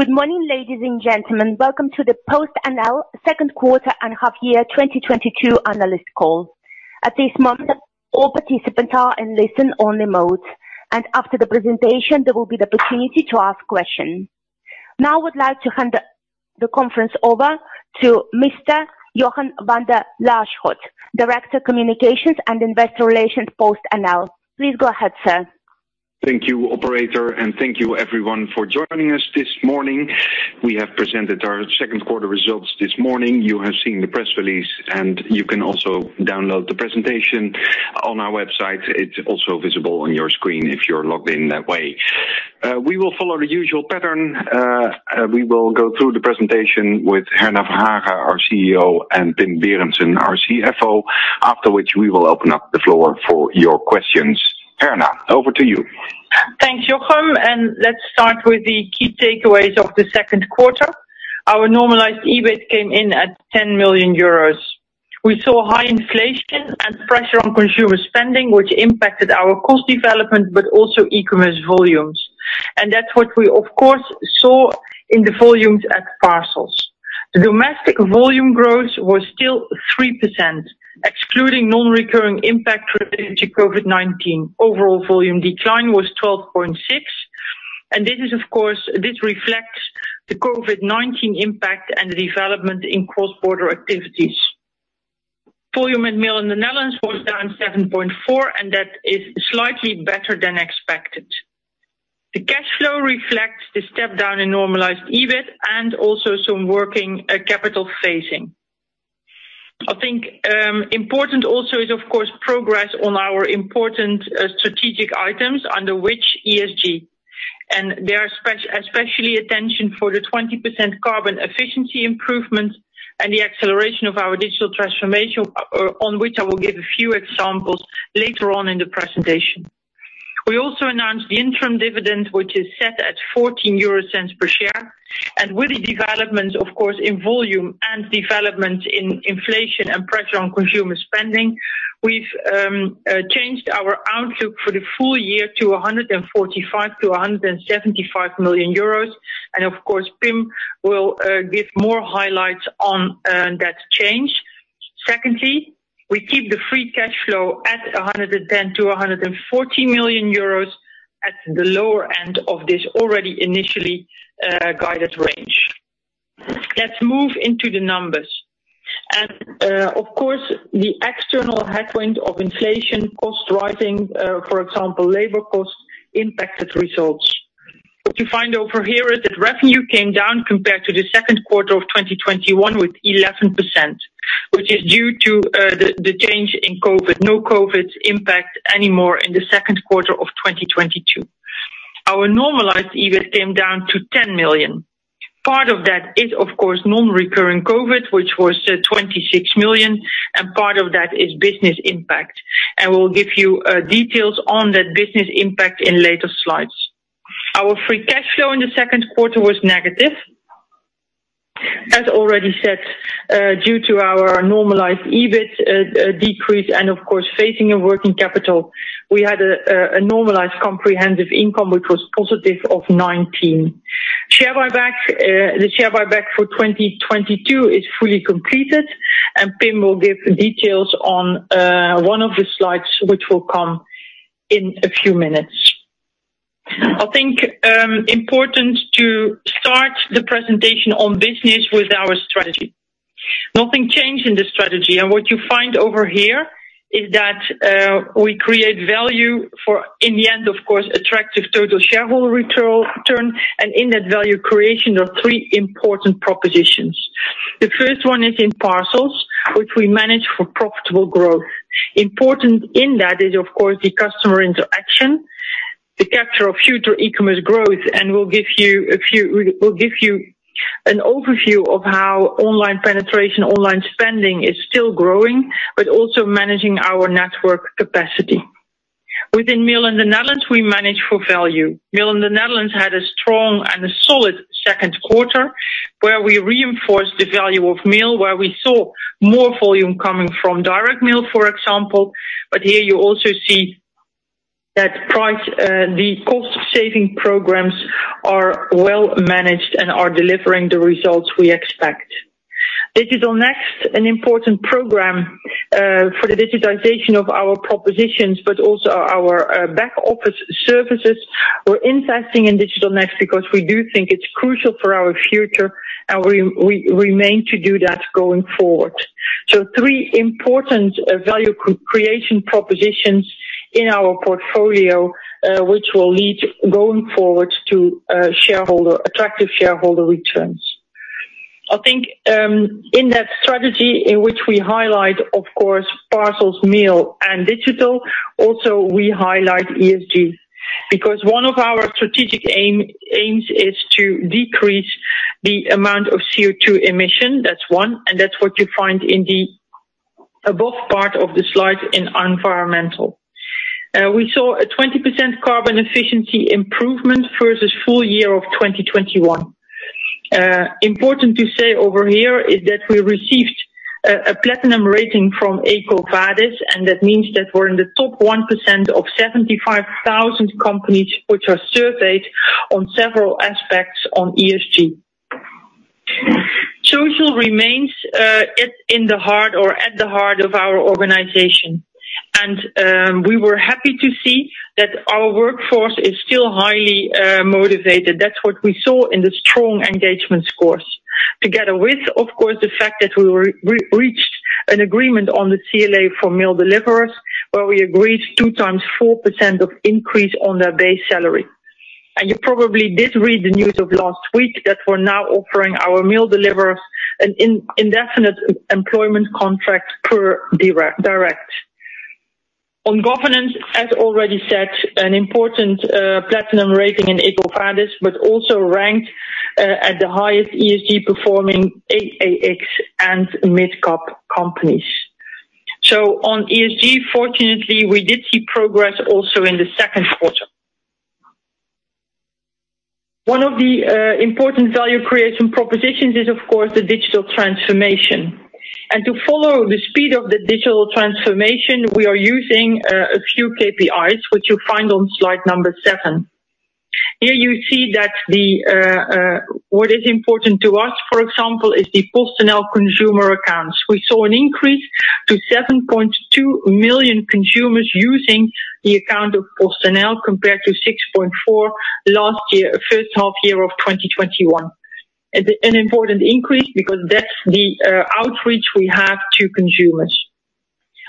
Good morning, ladies and gentlemen. Welcome to the PostNL Second Quarter and Half Year 2022 Analyst Call. At this moment, all participants are in listen-only mode, and after the presentation, there will be the opportunity to ask questions. Now, I would like to hand the conference over to Mr. Jochem van de Laarschot, Director Communications and Investor Relations, PostNL. Please go ahead, sir. Thank you, operator, and thank you everyone for joining us this morning. We have presented our second quarter results this morning. You have seen the press release, and you can also download the presentation on our website. It's also visible on your screen if you're logged in that way. We will follow the usual pattern. We will go through the presentation with Herna Verhagen, our CEO, and Pim Berendsen, our CFO, after which we will open up the floor for your questions. Herna, over to you. Thanks, Jochem, let's start with the key takeaways of the second quarter. Our normalized EBIT came in at 10 million euros. We saw high inflation and pressure on consumer spending, which impacted our cost development, but also e-commerce volumes. That's what we, of course, saw in the volumes at parcels. The domestic volume growth was still 3%, excluding non-recurring impact related to COVID-19. Overall volume decline was 12.6%, and this of course reflects the COVID-19 impact and development in cross-border activities. Volume at mail in the Netherlands was down 7.4%, and that is slightly better than expected. The cash flow reflects the step down in normalized EBIT and also some working capital phasing. I think important also is of course progress on our important strategic items under which ESG. There are especially attention for the 20% carbon efficiency improvement and the acceleration of our digital transformation, on which I will give a few examples later on in the presentation. We also announced the interim dividend, which is set at 0.14 per share. With the developments, of course, in volume and development in inflation and pressure on consumer spending, we've changed our outlook for the full year to 145 million-175 million euros and of course, Pim will give more highlights on that change. Secondly, we keep the free cash flow at 110 million-140 million euros at the lower end of this already initially guided range. Let's move into the numbers. Of course, the external headwind of inflation cost rising, for example, labor costs impacted results. What you find over here is that revenue came down compared to the second quarter of 2021 with 11%, which is due to the change in COVID, no COVID impact anymore in the second quarter of 2022. Our normalized EBIT came down to 10 million. Part of that is of course non-recurring COVID, which was 26 million, and part of that is business impact. We'll give you details on that business impact in later slides. Our free cash flow in the second quarter was negative. As already said, due to our normalized EBIT decrease and of course phasing of working capital, we had a normalized comprehensive income which was positive of 19 million. Share buyback, the share buyback for 2022 is fully completed, and Pim will give details on one of the slides which will come in a few minutes. I think important to start the presentation on business with our strategy. Nothing changed in the strategy, and what you find over here is that we create value for in the end, of course, attractive total shareholder return, and in that value creation are three important propositions. The first one is in parcels, which we manage for profitable growth. Important in that is of course the customer interaction, the capture of future e-commerce growth, and we'll give you an overview of how online penetration, online spending is still growing, but also managing our network capacity. Within mail in the Netherlands, we manage for value. Mail in the Netherlands had a strong and a solid second quarter, where we reinforced the value of mail, where we saw more volume coming from direct mail, for example. Here you also see that price, the cost-saving programs are well managed and are delivering the results we expect. Digital Next, an important program, for the digitization of our propositions, but also our back office services. We're investing in Digital Next because we do think it's crucial for our future, and we remain to do that going forward. Three important value creation propositions in our portfolio, which will lead going forward to attractive shareholder returns. I think in that strategy in which we highlight, of course, parcels, mail, and digital, also we highlight ESG. Because one of our strategic aims is to decrease the amount of CO2 emission, that's one, and that's what you find in the above part of the slide in environmental. We saw a 20% carbon efficiency improvement versus full year of 2021. Important to say over here is that we received a platinum rating from EcoVadis, and that means that we're in the top 1% of 75,000 companies which are surveyed on several aspects on ESG. Social remains at the heart of our organization. We were happy to see that our workforce is still highly motivated. That's what we saw in the strong engagement scores. Together with, of course, the fact that we reached an agreement on the CLA for mail deliverers, where we agreed 2x 4% increase on their base salary. You probably did read the news of last week that we're now offering our mail deliverers an indefinite employment contract per direct. On governance, as already said, an important platinum rating in EcoVadis, but also ranked at the highest ESG performing AEX and mid-cap companies. On ESG, fortunately, we did see progress also in the second quarter. One of the important value creation propositions is, of course, the digital transformation. To follow the speed of the digital transformation, we are using a few KPIs which you'll find on slide number seven. Here you see that what is important to us, for example, is the PostNL consumer accounts. We saw an increase to 7.2 million consumers using the account of PostNL compared to 6.4 last year, first half year of 2021. An important increase because that's the outreach we have to consumers.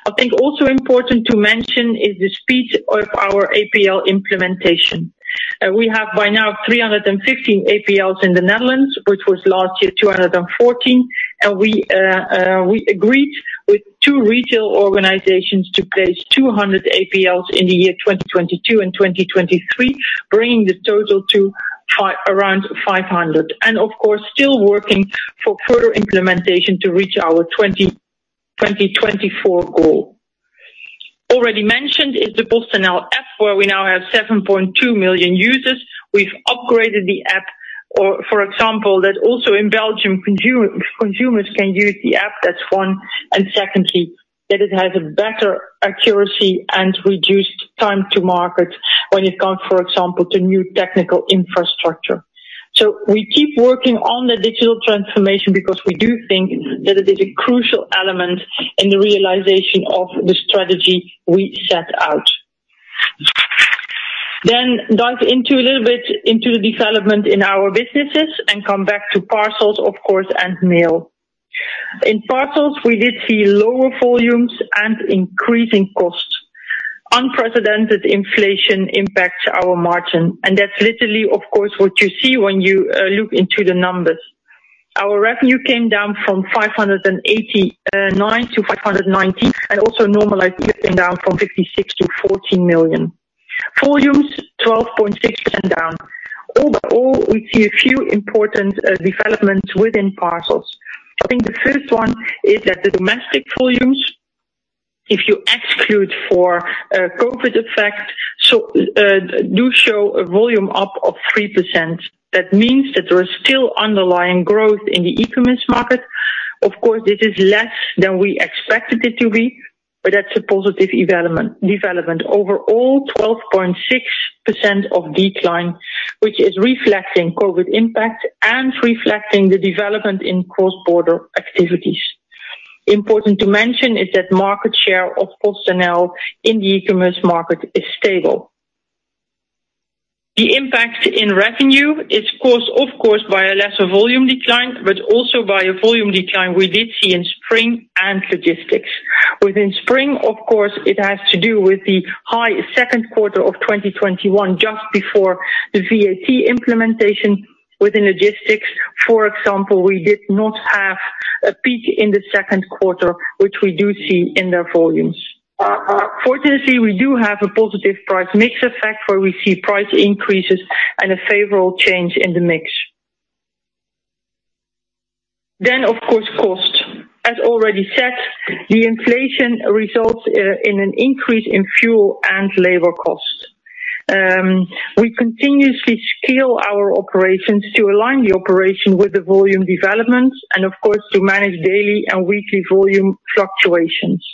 I think also important to mention is the speed of our APL implementation. We have by now 315 APLs in the Netherlands, which was last year 214. We agreed with two retail organizations to place 200 APLs in the year 2022 and 2023, bringing the total to around 500. Of course, still working for further implementation to reach our 2024 goal. Already mentioned is the PostNL app, where we now have 7.2 million users. We've upgraded the app. For example, that also in Belgium, consumers can use the app, that's one. Secondly, that it has a better accuracy and reduced time to market when it comes, for example, to new technical infrastructure. We keep working on the digital transformation because we do think that it is a crucial element in the realization of the strategy we set out. Dive into a little bit into the development in our businesses and come back to parcels, of course, and mail. In parcels, we did see lower volumes and increasing costs. Unprecedented inflation impacts our margin, and that's literally, of course, what you see when you look into the numbers. Our revenue came down from 589-590, and also normalized EBIT down from 56 million-14 million. Volumes, 12.6% down. All in all, we see a few important developments within parcels. I think the first one is that the domestic volumes, if you exclude the COVID effect, so do show a volume up of 3%. That means that there is still underlying growth in the e-commerce market. Of course, it is less than we expected it to be, but that's a positive development. Overall, 12.6% decline, which is reflecting COVID impact and reflecting the development in cross-border activities. Important to mention is that market share of PostNL in the e-commerce market is stable. The impact in revenue is caused, of course, by a lesser volume decline, but also by a volume decline we did see in Spring and logistics. Within Spring, of course, it has to do with the high second quarter of 2021 just before the VAT implementation. Within logistics, for example, we did not have a peak in the second quarter, which we do see in their volumes. Fortunately, we do have a positive price mix effect where we see price increases and a favorable change in the mix. Of course, cost. As already said, the inflation results in an increase in fuel and labor cost. We continuously scale our operations to align the operation with the volume developments and of course, to manage daily and weekly volume fluctuations.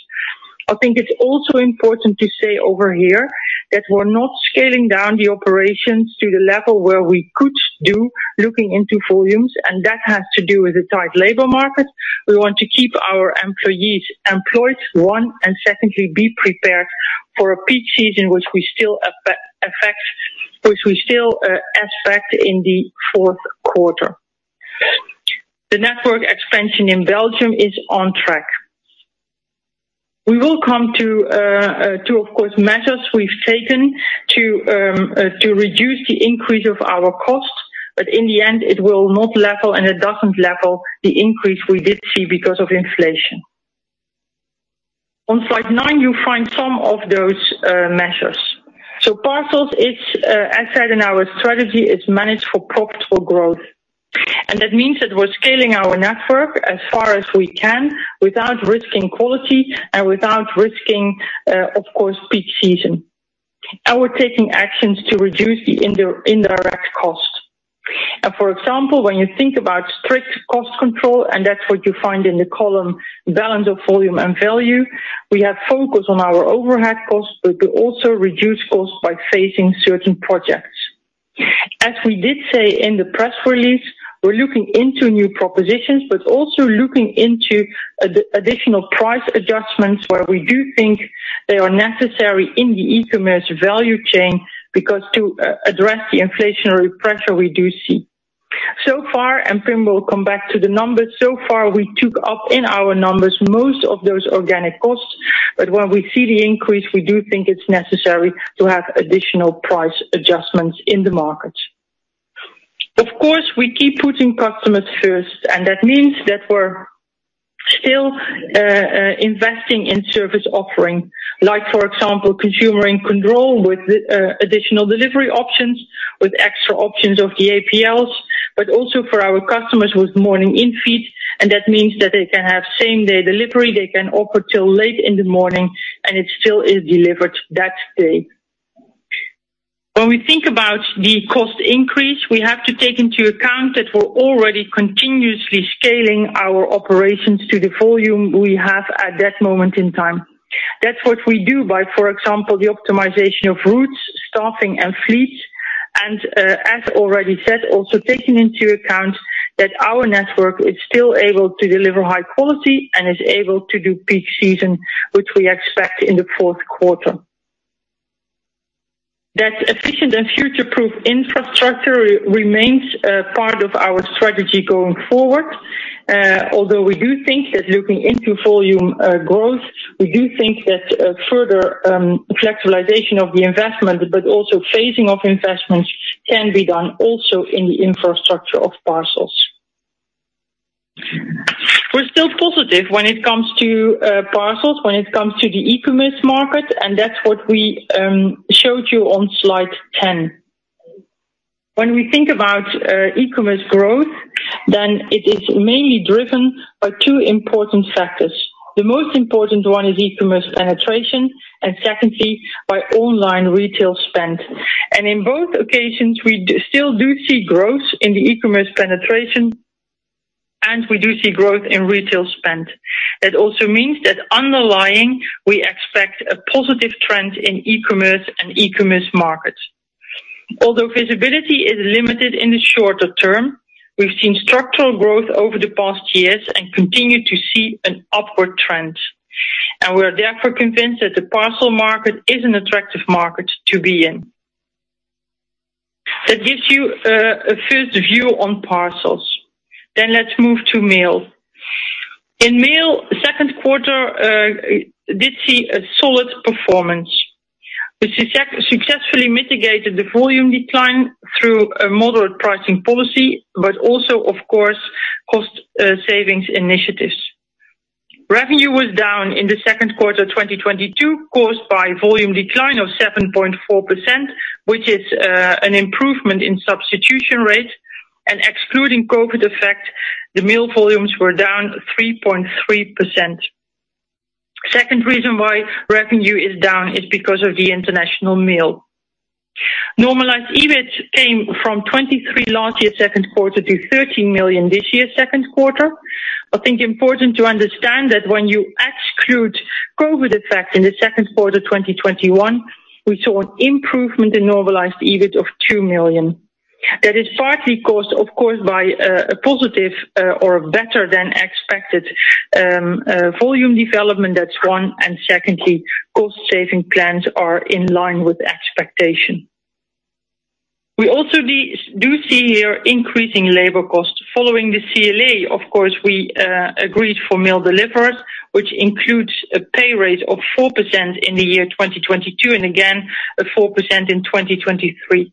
I think it's also important to say over here that we're not scaling down the operations to the level where we could do looking into volumes, and that has to do with the tight labor market. We want to keep our employees employed, one, and secondly, be prepared for a peak season, which we still expect in the fourth quarter. The network expansion in Belgium is on track. We will come to, of course, measures we've taken to reduce the increase of our costs, but in the end, it will not level the increase we did see because of inflation. On slide nine, you find some of those measures. Parcels is, as said in our strategy, managed for profitable growth. That means that we're scaling our network as far as we can without risking quality and without risking, of course, peak season. We're taking actions to reduce the indirect costs. For example, when you think about strict cost control, and that's what you find in the column Balance of Volume and Value, we have focused on our overhead costs, but we also reduce costs by phasing certain projects. As we did say in the press release, we're looking into new propositions, but also looking into additional price adjustments where we do think they are necessary in the e-commerce value chain, because to address the inflationary pressure we do see. So far, and Pim will come back to the numbers, so far, we took up in our numbers most of those organic costs. When we see the increase, we do think it's necessary to have additional price adjustments in the market. Of course, we keep putting customers first, and that means that we're still investing in service offering, like for example, Consumer in Control with additional delivery options, with extra options of the APLs, but also for our customers with Morning Infeed, and that means that they can have same-day delivery. They can order till late in the morning, and it still is delivered that day. When we think about the cost increase, we have to take into account that we're already continuously scaling our operations to the volume we have at that moment in time. That's what we do by, for example, the optimization of routes, staffing, and fleets, and as already said, also taking into account that our network is still able to deliver high quality and is able to do peak season, which we expect in the fourth quarter. That efficient and future-proof infrastructure remains part of our strategy going forward. Although we do think that looking into volume growth, we do think that further flexibilization of the investment, but also phasing of investments can be done also in the infrastructure of parcels. We're still positive when it comes to parcels, when it comes to the e-commerce market, and that's what we showed you on slide 10. When we think about e-commerce growth, then it is mainly driven by two important factors. The most important one is e-commerce penetration, and secondly, by online retail spend. In both occasions, we still do see growth in the e-commerce penetration, and we do see growth in retail spend. It also means that underlying, we expect a positive trend in e-commerce and e-commerce markets. Although visibility is limited in the shorter term, we've seen structural growth over the past years and continue to see an upward trend. We are therefore convinced that the parcel market is an attractive market to be in. That gives you a first view on parcels. Then let's move to mail. In mail, second quarter did see a solid performance, which successfully mitigated the volume decline through a moderate pricing policy, but also, of course, cost savings initiatives. Revenue was down in the second quarter, 2022, caused by volume decline of 7.4%, which is an improvement in substitution rate. Excluding COVID effect, the mail volumes were down 3.3%. Second reason why revenue is down is because of the international mail. Normalized EBIT came from 23 million last year, second quarter to 13 million this year, second quarter. I think important to understand that when you exclude COVID effect in the second quarter, 2021, we saw an improvement in normalized EBIT of 2 million. That is partly caused, of course, by a positive or better than expected volume development, that's one. Secondly, cost saving plans are in line with expectation. We also do see here increasing labor costs. Following the CLA, of course, we agreed for mail deliverers, which includes a pay raise of 4% in the year 2022, and again, at 4% in 2023.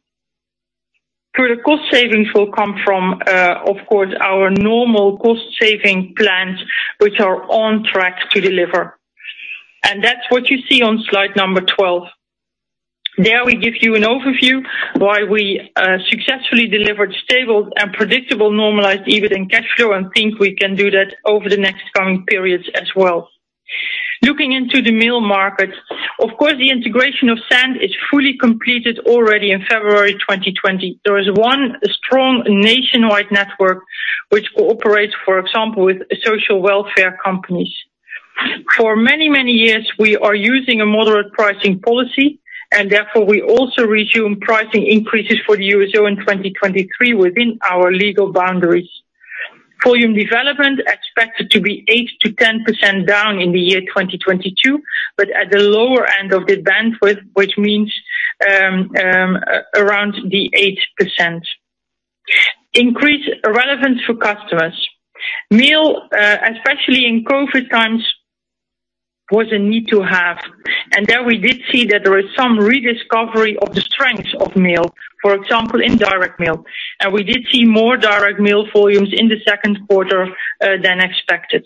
Further cost savings will come from, of course, our normal cost saving plans, which are on track to deliver. That's what you see on slide number 12. There we give you an overview why we successfully delivered stable and predictable normalized EBIT and cash flow, and think we can do that over the next coming periods as well. Looking into the mail market, of course, the integration of Sandd is fully completed already in February 2020. There is one strong nationwide network which cooperates, for example, with social welfare companies. For many, many years, we are using a moderate pricing policy, and therefore we also resume pricing increases for the euro in 2023 within our legal boundaries. Volume development expected to be 8%-10% down in the year 2022, but at the lower end of the bandwidth, which means around the 8%. Increased relevance for customers. Mail, especially in COVID times, was a need to have. There we did see that there is some rediscovery of the strengths of mail, for example, in direct mail. We did see more direct mail volumes in the second quarter than expected.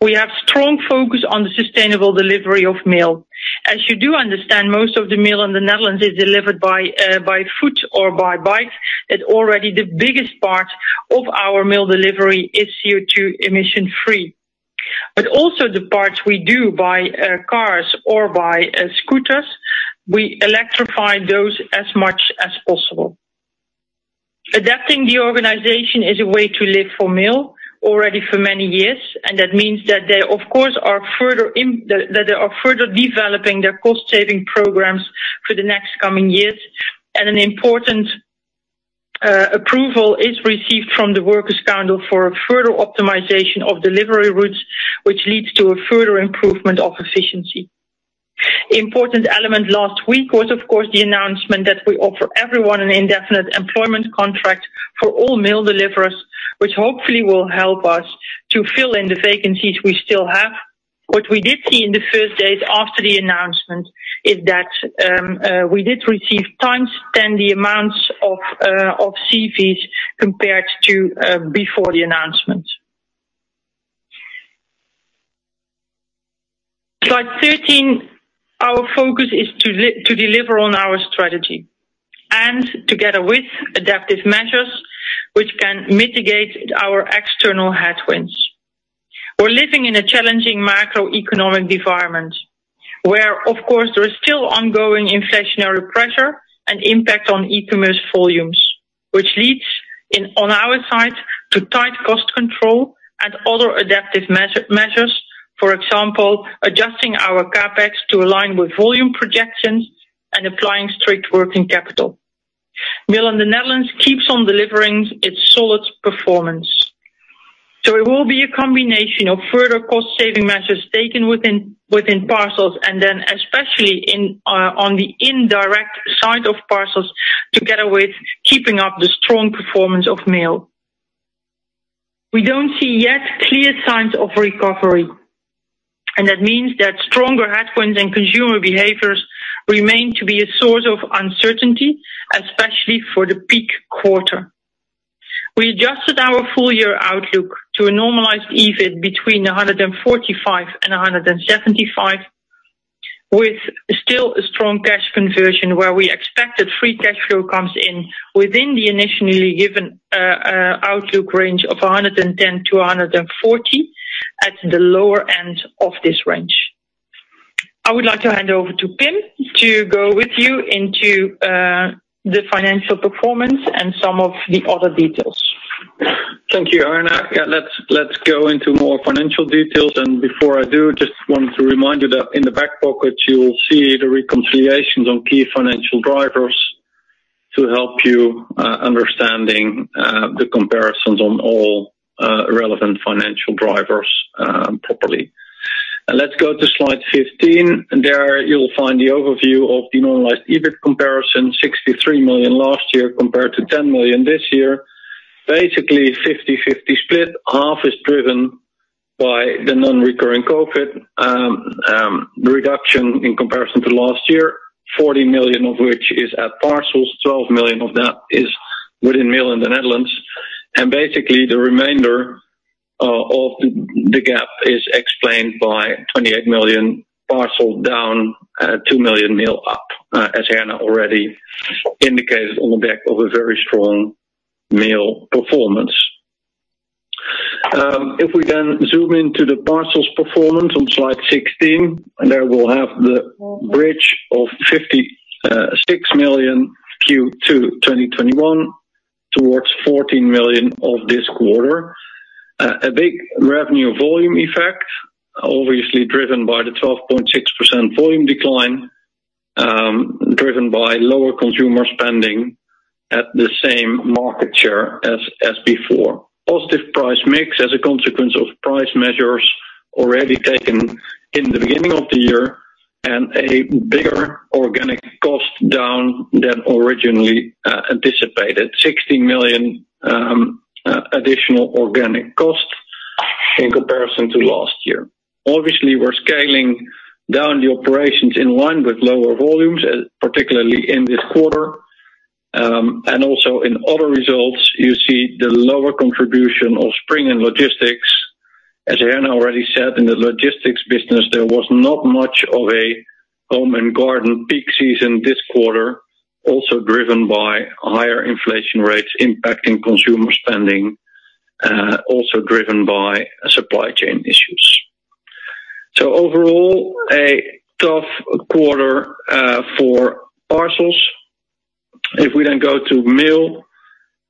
We have strong focus on the sustainable delivery of mail. As you do understand, most of the mail in the Netherlands is delivered by foot or by bike. That already the biggest part of our mail delivery is CO2 emission-free. Also the parts we do by cars or by scooters, we electrify those as much as possible. Adapting the organization is a way to live for mail already for many years, and that means that they, of course, are further developing their cost-saving programs for the next coming years. An important approval is received from the works council for a further optimization of delivery routes, which leads to a further improvement of efficiency. Important element last week was, of course, the announcement that we offer everyone an indefinite employment contract for all mail deliverers, which hopefully will help us to fill in the vacancies we still have. What we did see in the first days after the announcement is that we did receive times the amount of CVs compared to before the announcement. Slide 13, our focus is to deliver on our strategy and together with adaptive measures which can mitigate our external headwinds. We're living in a challenging macroeconomic environment where, of course, there is still ongoing inflationary pressure and impact on e-commerce volumes, which leads, on our side, to tight cost control and other adaptive measures. For example, adjusting our CapEx to align with volume projections and applying strict working capital. Mail in the Netherlands keeps on delivering its solid performance. It will be a combination of further cost saving measures taken within parcels and then especially on the indirect side of parcels together with keeping up the strong performance of mail. We don't see yet clear signs of recovery, and that means that stronger headwinds and consumer behaviors remain to be a source of uncertainty, especially for the peak quarter. We adjusted our full year outlook to a normalized EBIT between 145 and 175, with still a strong cash conversion where we expected free cash flow comes in within the initially given outlook range of 110-140 at the lower end of this range. I would like to hand over to Pim to go with you into the financial performance and some of the other details. Thank you, Herna. Yeah, let's go into more financial details. Before I do, just wanted to remind you that in the back pocket you will see the reconciliations on key financial drivers to help you understand the comparisons on all relevant financial drivers properly. Let's go to slide 15, and there you'll find the overview of the normalized EBIT comparison, 63 million last year compared to 10 million this year. Basically, 50/50 split. Half is driven by the non-recurring COVID reduction in comparison to last year, 40 million of which is at parcels, 12 million of that is within mail in the Netherlands. Basically, the remainder of the gap is explained by 28 million parcels down, 2 million mail up, as Herna already indicated, on the back of a very strong mail performance. If we zoom into the parcels performance on slide 16, and there we'll have the bridge of 56 million Q2 2021 towards 14 million of this quarter. A big revenue volume effect, obviously driven by the 12.6% volume decline, driven by lower consumer spending at the same market share as before. Positive price mix as a consequence of price measures already taken in the beginning of the year and a bigger organic cost down than originally anticipated. EUR 16 million additional organic cost in comparison to last year. Obviously, we're scaling down the operations in line with lower volumes, particularly in this quarter. And also in other results, you see the lower contribution of Spring and logistics. As Herna already said, in the logistics business, there was not much of a home and garden peak season this quarter, also driven by higher inflation rates impacting consumer spending, also driven by supply chain issues. Overall, a tough quarter for parcels. If we then go to mail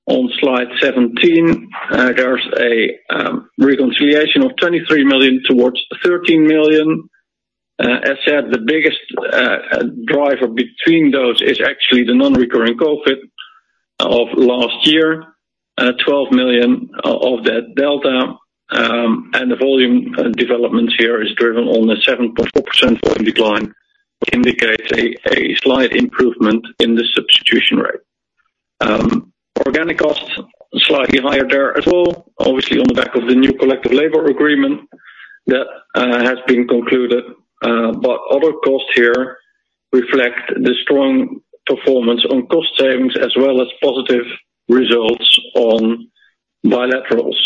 on slide 17, there's a reconciliation of 23 million towards 13 million. As said, the biggest driver between those is actually the non-recurring COVID of last year. 12 million of that delta, and the volume developments here is driven on a 7.4% volume decline, which indicates a slight improvement in the substitution rate. Organic costs slightly higher there as well, obviously on the back of the new collective labor agreement that has been concluded. Other costs here reflect the strong performance on cost savings as well as positive results on bilaterals.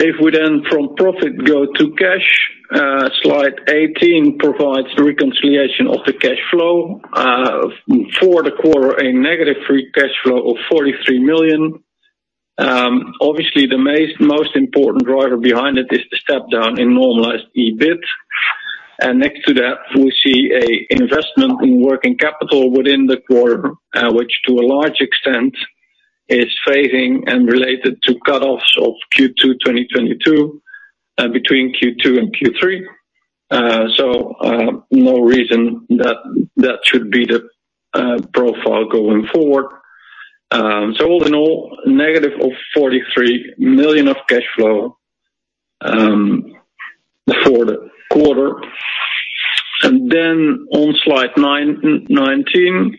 If we then from profit go to cash, slide 18 provides reconciliation of the cash flow. For the quarter, a negative free cash flow of 43 million. Obviously, the most important driver behind it is the step down in normalized EBIT. Next to that, we see an investment in working capital within the quarter, which to a large extent is phasing and related to cutoffs of Q2 2022 and between Q2 and Q3. No reason that should be the profile going forward. All in all, negative 43 million of cash flow for the quarter. Then on slide 19,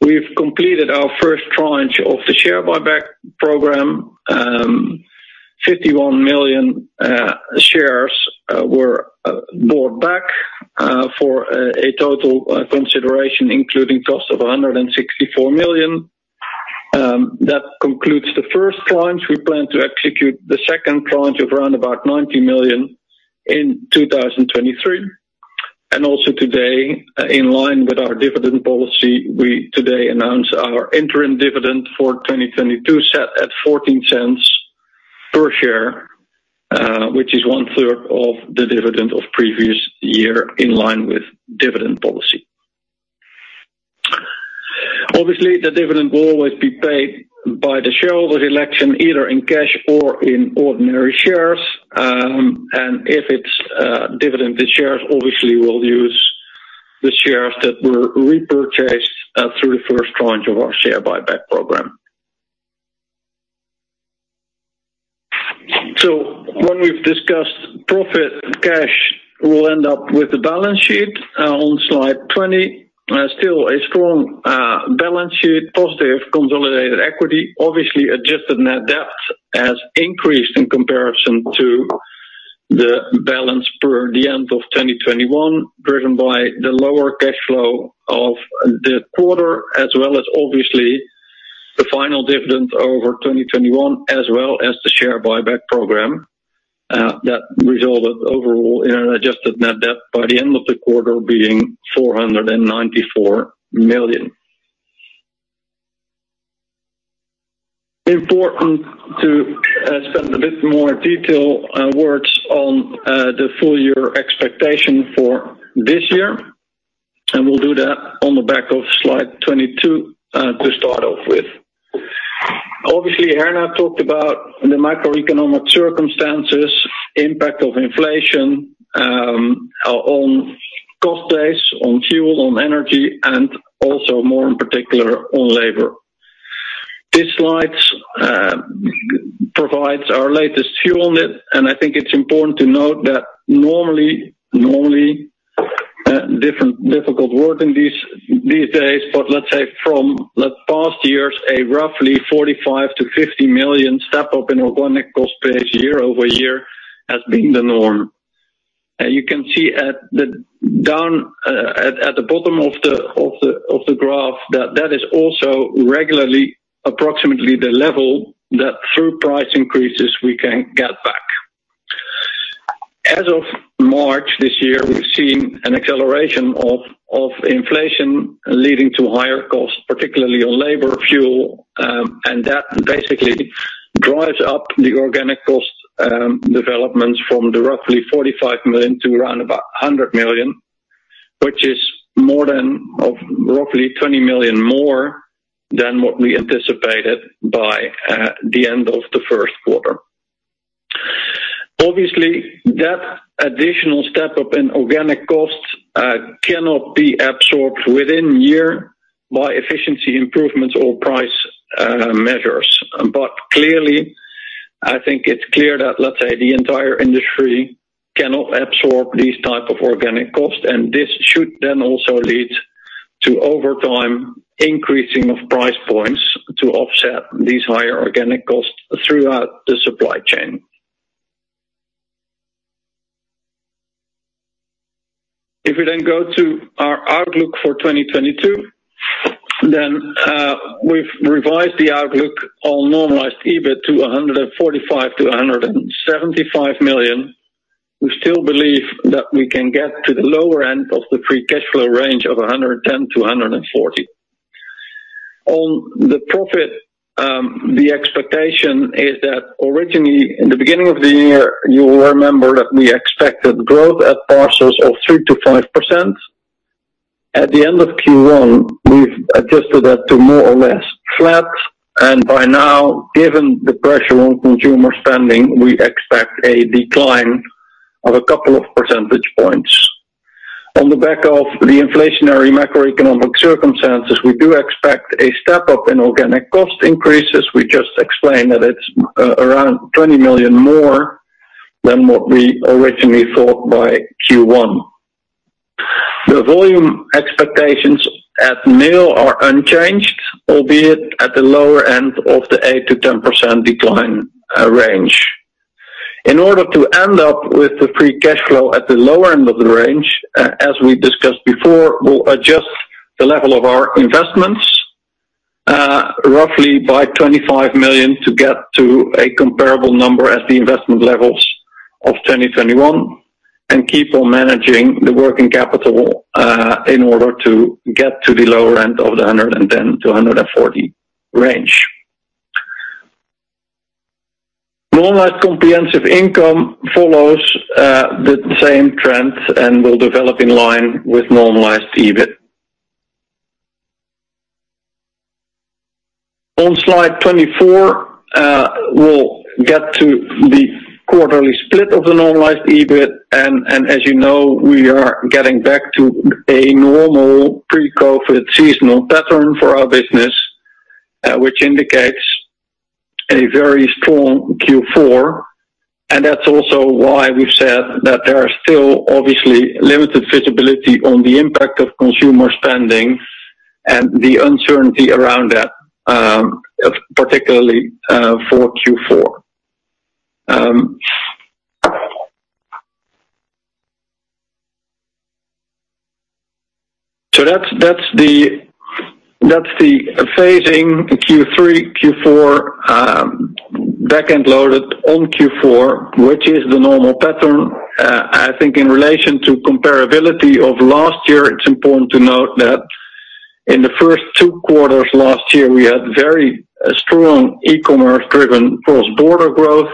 we've completed our first tranche of the share buyback program. 51 million shares were bought back for a total consideration, including cost of 164 million. That concludes the first tranche. We plan to execute the second tranche of around about 90 million in 2023. Also today, in line with our dividend policy, we today announce our interim dividend for 2022 set at 0.14 per share, which is 1/3 of the dividend of previous year in line with dividend policy. Obviously, the dividend will always be paid by the shareholder's election, either in cash or in ordinary shares. If it's dividend to shares, obviously we'll use the shares that were repurchased through the first tranche of our share buyback program. When we've discussed profit cash, we'll end up with the balance sheet on slide 20. Still a strong balance sheet, positive consolidated equity. Obviously, adjusted net debt has increased in comparison to the balance per the end of 2021, driven by the lower cash flow of the quarter, as well as obviously the final dividend over 2021, as well as the share buyback program that resulted overall in an adjusted net debt by the end of the quarter being 494 million. Important to spend a bit more detail words on the full year expectation for this year, and we'll do that on the back of slide 22 to start off with. Obviously, Herna talked about the macroeconomic circumstances, impact of inflation on cost base, on fuel, on energy, and also more in particular on labor. This slide provides our latest view on it, and I think it's important to note that normally, difficult word in these days, but let's say from the past years, a roughly 45-50 million step-up in organic cost base year-over-year has been the norm. You can see at the bottom of the graph that is also regularly approximately the level that through price increases we can get back. As of March this year, we've seen an acceleration of inflation leading to higher costs, particularly on labor, fuel, and that basically drives up the organic cost developments from the roughly 45 million to around about 100 million, which is more than of roughly 20 million more than what we anticipated by the end of the first quarter. Obviously, that additional step up in organic costs cannot be absorbed within year by efficiency improvements or price measures. Clearly, I think it's clear that, let's say, the entire industry cannot absorb these type of organic costs, and this should then also lead to over time increasing of price points to offset these higher organic costs throughout the supply chain. If we go to our outlook for 2022, we've revised the outlook on normalized EBIT to 145 million-175 million. We still believe that we can get to the lower end of the free cash flow range of 110 million-140 million. On the profit, the expectation is that originally in the beginning of the year, you will remember that we expected growth at parcels of 3%-5%. At the end of Q1, we've adjusted that to more or less flat, and by now, given the pressure on consumer spending, we expect a decline of a couple of percentage points. On the back of the inflationary macroeconomic circumstances, we do expect a step-up in organic cost increases. We just explained that it's around 20 million more than what we originally thought by Q1. The volume expectations at nil are unchanged, albeit at the lower end of the 8%-10% decline range. In order to end up with the free cash flow at the lower end of the range, as we discussed before, we'll adjust the level of our investments roughly by 25 million to get to a comparable number at the investment levels of 2021 and keep on managing the working capital in order to get to the lower end of the 110 million-140 million range. Normalized comprehensive income follows the same trend and will develop in line with normalized EBIT. On slide 24, we'll get to the quarterly split of the normalized EBIT and, as you know, we are getting back to a normal pre-COVID seasonal pattern for our business, which indicates a very strong Q4. That's also why we've said that there are still obviously limited visibility on the impact of consumer spending and the uncertainty around that, particularly, for Q4. That's the phasing Q3, Q4, back-end loaded on Q4, which is the normal pattern. I think in relation to comparability of last year, it's important to note that in the first two quarters last year, we had very strong e-commerce driven cross-border growth.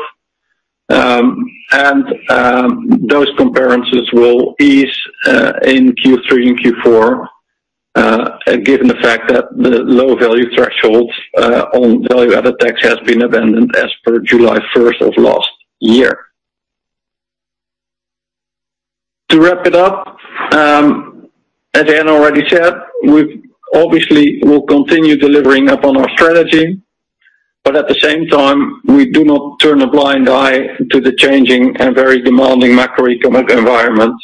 Those comparisons will ease, in Q3 and Q4, given the fact that the low value thresholds, on value-added tax has been abandoned as per July first of last year. To wrap it up, as Herna already said, we obviously will continue delivering upon our strategy, but at the same time, we do not turn a blind eye to the changing and very demanding macroeconomic environment.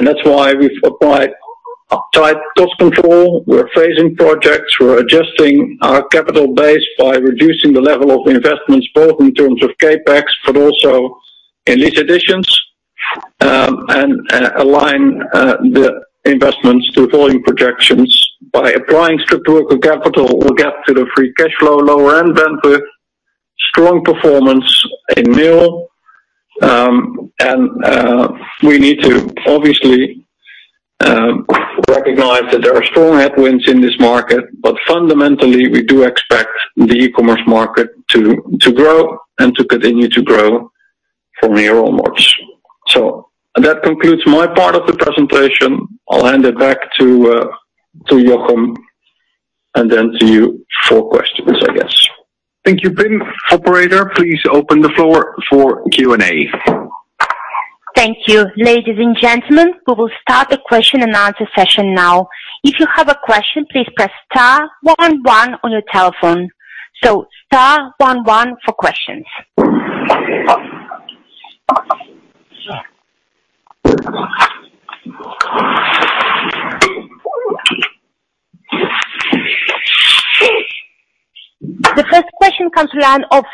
That's why we've applied tight cost control. We're phasing projects. We're adjusting our capital base by reducing the level of investments, both in terms of CapEx, but also in lease additions, and align the investments to volume projections. By applying strict working capital, we'll get to the free cash flow lower end than the strong performance in mail. We need to obviously recognize that there are strong headwinds in this market, but fundamentally, we do expect the e-commerce market to grow and to continue to grow from here onwards. That concludes my part of the presentation. I'll hand it back to Jochem, and then to you for questions, I guess. Thank you, Pim. Operator, please open the floor for Q&A. Thank you. Ladies and gentlemen, we will start the question and answer session now. If you have a question, please press star one one on your telephone. So star one one for questions. The first question comes from the line of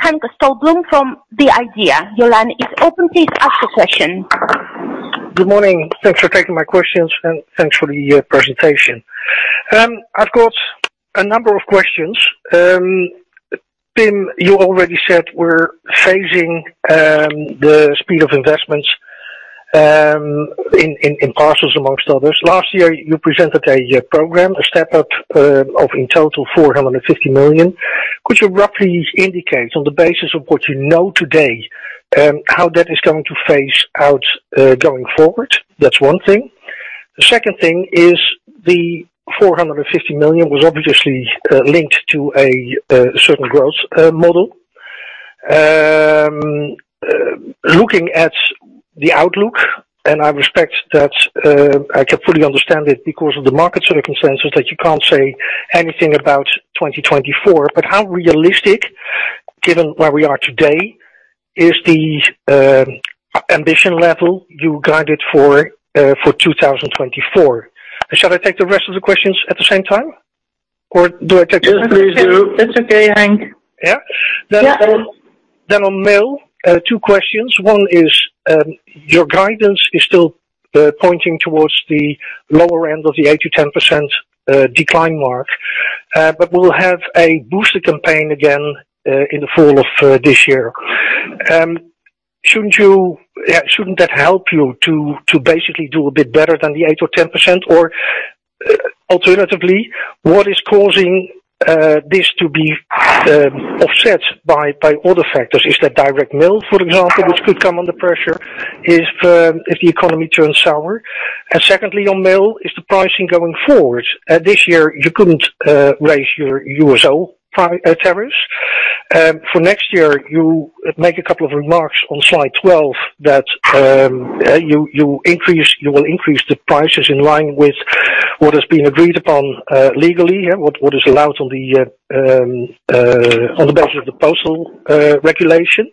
Henk Slotboom from The IDEA!. Your line is open. Please ask your question. Good morning. Thanks for taking my questions, and thanks for the presentation. I've got a number of questions. Pim, you already said we're phasing the speed of investments in parcels among others. Last year, you presented a program, a step-up, of in total 450 million. Could you roughly indicate on the basis of what you know today, how that is going to phase out going forward? That's one thing. The second thing is the 450 million was obviously linked to a certain growth model. Looking at the outlook, and I respect that, I can fully understand it because of the market circumstances that you can't say anything about 2024, but how realistic, given where we are today, is the ambition level you guided for 2024? Shall I take the rest of the questions at the same time? Do I take- Yes, please do. That's okay, Henk. Yeah. Yeah. On mail, two questions. One is, your guidance is still pointing towards the lower end of the 8%-10% decline mark. But we'll have a boosted campaign again in the fall of this year. Shouldn't that help you to basically do a bit better than the 8% or 10%? Or alternatively, what is causing this to be offset by other factors? Is that direct mail, for example, which could come under pressure if the economy turns sour? Secondly, on mail, is the pricing going forward? This year you couldn't raise your USO tariffs. For next year, you make a couple of remarks on slide 12 that you will increase the prices in line with what has been agreed upon legally, yeah. What is allowed on the basis of the postal regulation.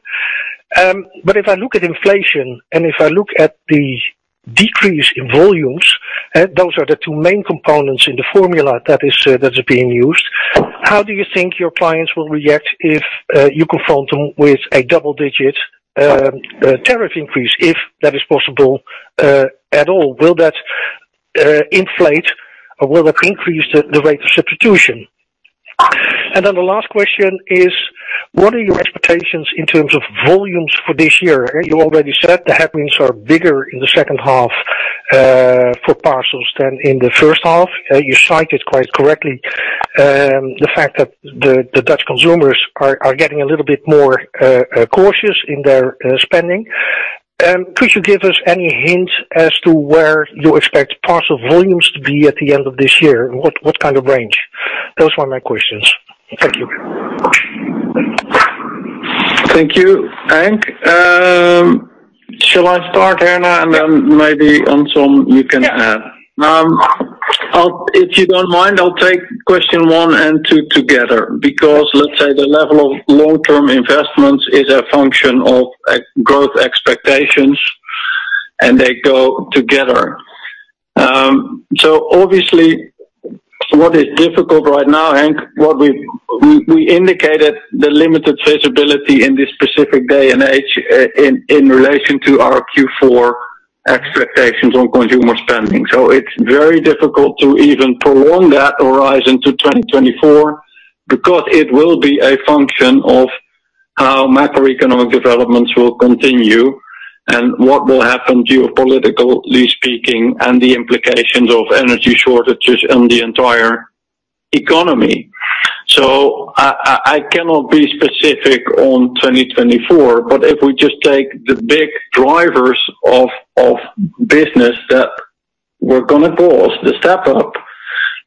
If I look at inflation and if I look at the decrease in volumes, those are the two main components in the formula that is being used. How do you think your clients will react if you confront them with a double-digit tariff increase, if that is possible at all? Will that accelerate or will it increase the rate of substitution? The last question is what are your expectations in terms of volumes for this year? You already said the headwinds are bigger in the second half for parcels than in the first half. You cited quite correctly the fact that the Dutch consumers are getting a little bit more cautious in their spending. Could you give us any hint as to where you expect parcel volumes to be at the end of this year? What kind of range? Those are my questions. Thank you. Thank you, Henk. Shall I start, Herna? Yeah. Maybe on some you can add. Yeah. If you don't mind, I'll take question one and two together because let's say the level of long-term investments is a function of our growth expectations and they go together. Obviously what is difficult right now, Henk, what we indicated the limited visibility in this specific day and age in relation to our Q4 expectations on consumer spending. It's very difficult to even prolong that horizon to 2024 because it will be a function of how macroeconomic developments will continue and what will happen geopolitically speaking and the implications of energy shortages on the entire economy. I cannot be specific on 2024, but if we just take the big drivers of business that are gonna cause the step up,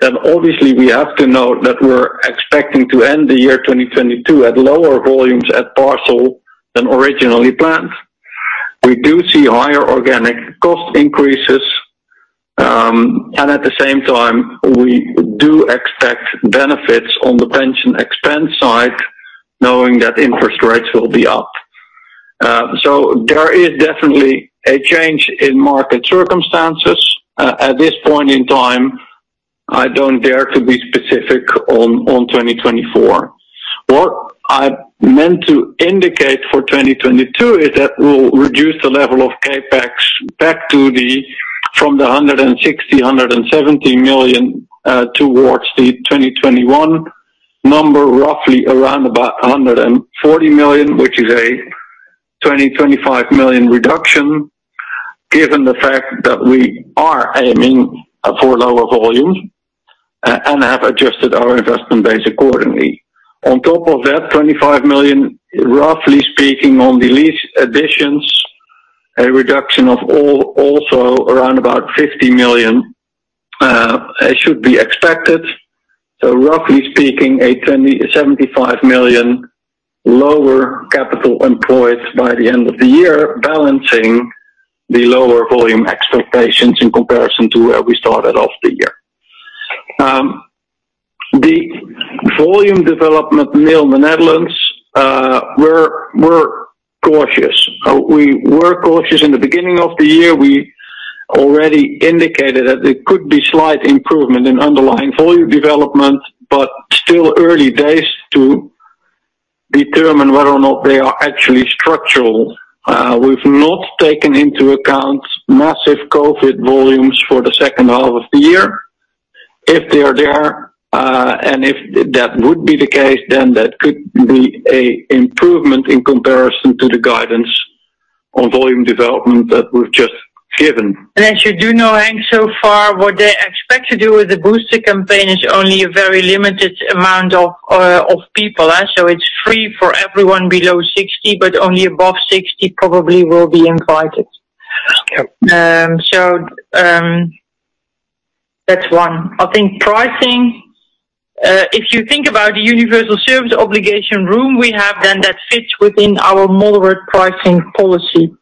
then obviously we have to know that we're expecting to end the year 2022 at lower volumes at parcel than originally planned. We do see higher organic cost increases, and at the same time, we do expect benefits on the pension expense side knowing that interest rates will be up. There is definitely a change in market circumstances. At this point in time, I don't dare to be specific on 2024. What I meant to indicate for 2022 is that we'll reduce the level of CapEx back to the from the 160 million-170 million towards the 2021 number, roughly around about 140 million, which is a 25 million reduction given the fact that we are aiming for lower volumes and have adjusted our investment base accordingly. On top of that 25 million, roughly speaking on the lease additions, a reduction of also around about 50 million should be expected. Roughly speaking, 75 million lower capital employed by the end of the year balancing the lower volume expectations in comparison to where we started off the year. The volume development mail in the Netherlands, we're cautious. We were cautious in the beginning of the year. We already indicated that there could be slight improvement in underlying volume development, but still early days to determine whether or not they are actually structural. We've not taken into account massive COVID volumes for the second half of the year. If they are there, and if that would be the case, then that could be a improvement in comparison to the guidance on volume development that we've just given. As you do know, Henk, so far what they expect to do with the booster campaign is only a very limited amount of people. It's free for everyone below 60, but only above 60 probably will be invited. Okay. That's one. I think pricing, if you think about the universal service obligation room we have, then that fits within our moderate pricing policy,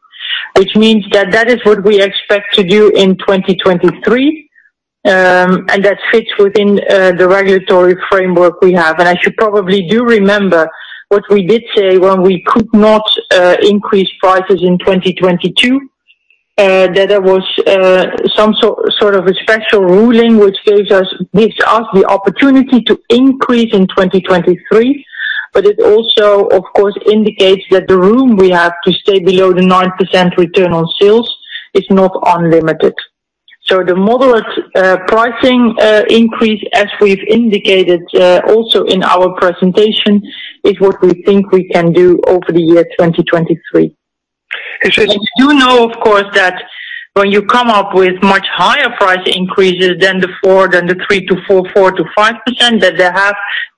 which means that is what we expect to do in 2023. That fits within the regulatory framework we have. As you probably do remember what we did say when we could not increase prices in 2022, that there was some sort of a special ruling which gives us the opportunity to increase in 2023. It also of course indicates that the room we have to stay below the 9% return on sales is not unlimited. The moderate pricing increase, as we've indicated also in our presentation, is what we think we can do over the year 2023. It's just- You do know, of course, that when you come up with much higher price increases than the 3%-4%, 4%-5%, that they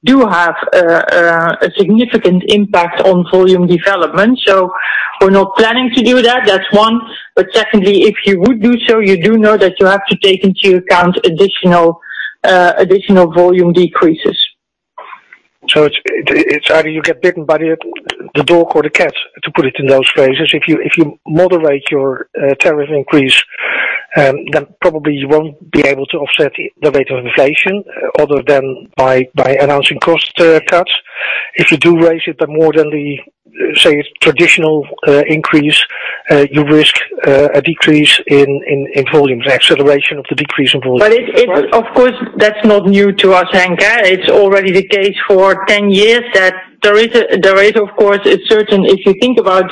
do have a significant impact on volume development. We're not planning to do that. That's one. Secondly, if you would do so, you do know that you have to take into account additional volume decreases. It's either you get bitten by the dog or the cat, to put it in those phrases. If you moderate your tariff increase, then probably you won't be able to offset the rate of inflation other than by announcing cost cuts. If you do raise it by more than the, say, traditional increase, you risk a decrease in volumes, an acceleration of the decrease in volumes. Of course, that's not new to us, Henk. It's already the case for 10 years. If you think about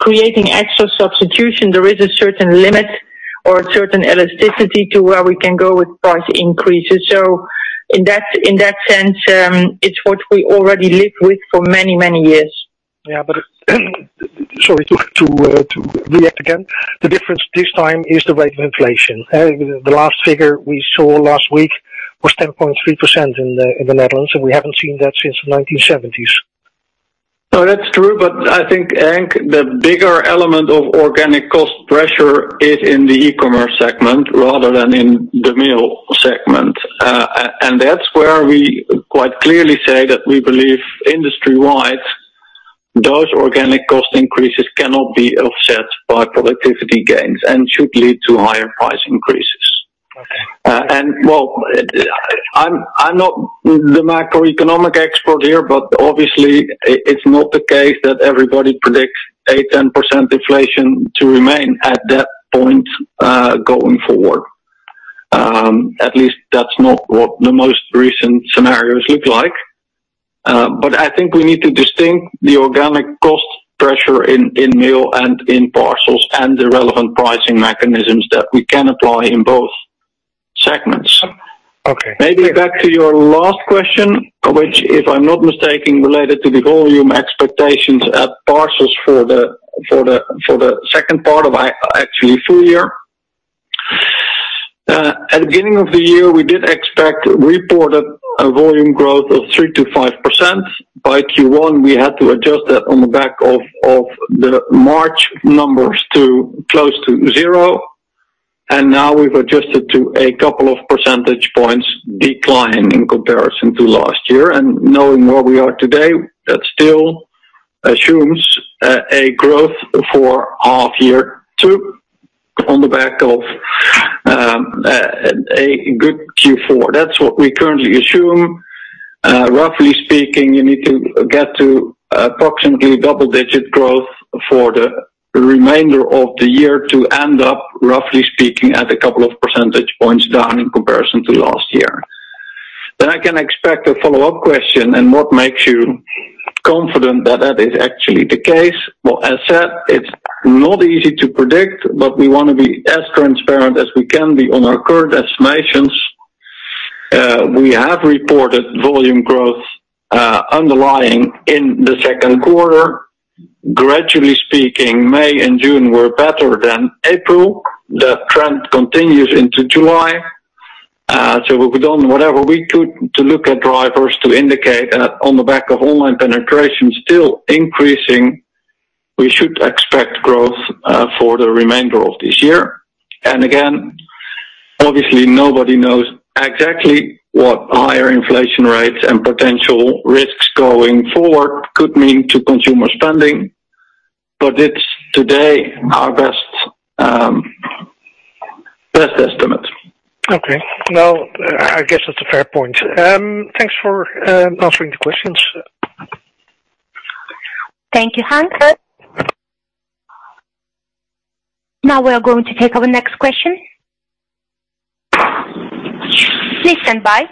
creating extra substitution, there is, of course, a certain limit or a certain elasticity to where we can go with price increases. In that sense, it's what we already live with for many, many years. Sorry to react again. The difference this time is the rate of inflation. The last figure we saw last week was 10.3% in the Netherlands, and we haven't seen that since the 1970s. No, that's true, but I think, Henk, the bigger element of organic cost pressure is in the e-commerce segment rather than in the mail segment. That's where we quite clearly say that we believe industry-wide, those organic cost increases cannot be offset by productivity gains and should lead to higher price increases. Okay. Well, I'm not the macroeconomic expert here, but obviously it's not the case that everybody predicts 8%-10% inflation to remain at that point, going forward. At least that's not what the most recent scenarios look like. I think we need to distinguish the organic cost pressure in mail and in parcels and the relevant pricing mechanisms that we can apply in both segments. Okay. Maybe back to your last question, which, if I'm not mistaken, related to the volume expectations at parcels for the second part of actually full year. At the beginning of the year, we did expect reported a volume growth of 3%-5%. By Q1, we had to adjust that on the back of the March numbers to close to zero. Now we've adjusted to a couple of percentage points decline in comparison to last year. Knowing where we are today, that still assumes a growth for half year two on the back of a good Q4. That's what we currently assume. Roughly speaking, you need to get to approximately double-digit growth for the remainder of the year to end up, roughly speaking, at a couple of percentage points down in comparison to last year. I can expect a follow-up question and what makes you confident that that is actually the case. Well, as said, it's not easy to predict, but we wanna be as transparent as we can be on our current estimations. We have reported volume growth, underlying in the second quarter. Gradually speaking, May and June were better than April. That trend continues into July. So we've done whatever we could to look at drivers to indicate that on the back of online penetration still increasing, we should expect growth, for the remainder of this year. Again, obviously, nobody knows exactly what higher inflation rates and potential risks going forward could mean to consumer spending, but it's today our best estimate. Okay. No, I guess that's a fair point. Thanks for answering the questions. Thank you, Henk. Now we are going to take our next question. Please stand by.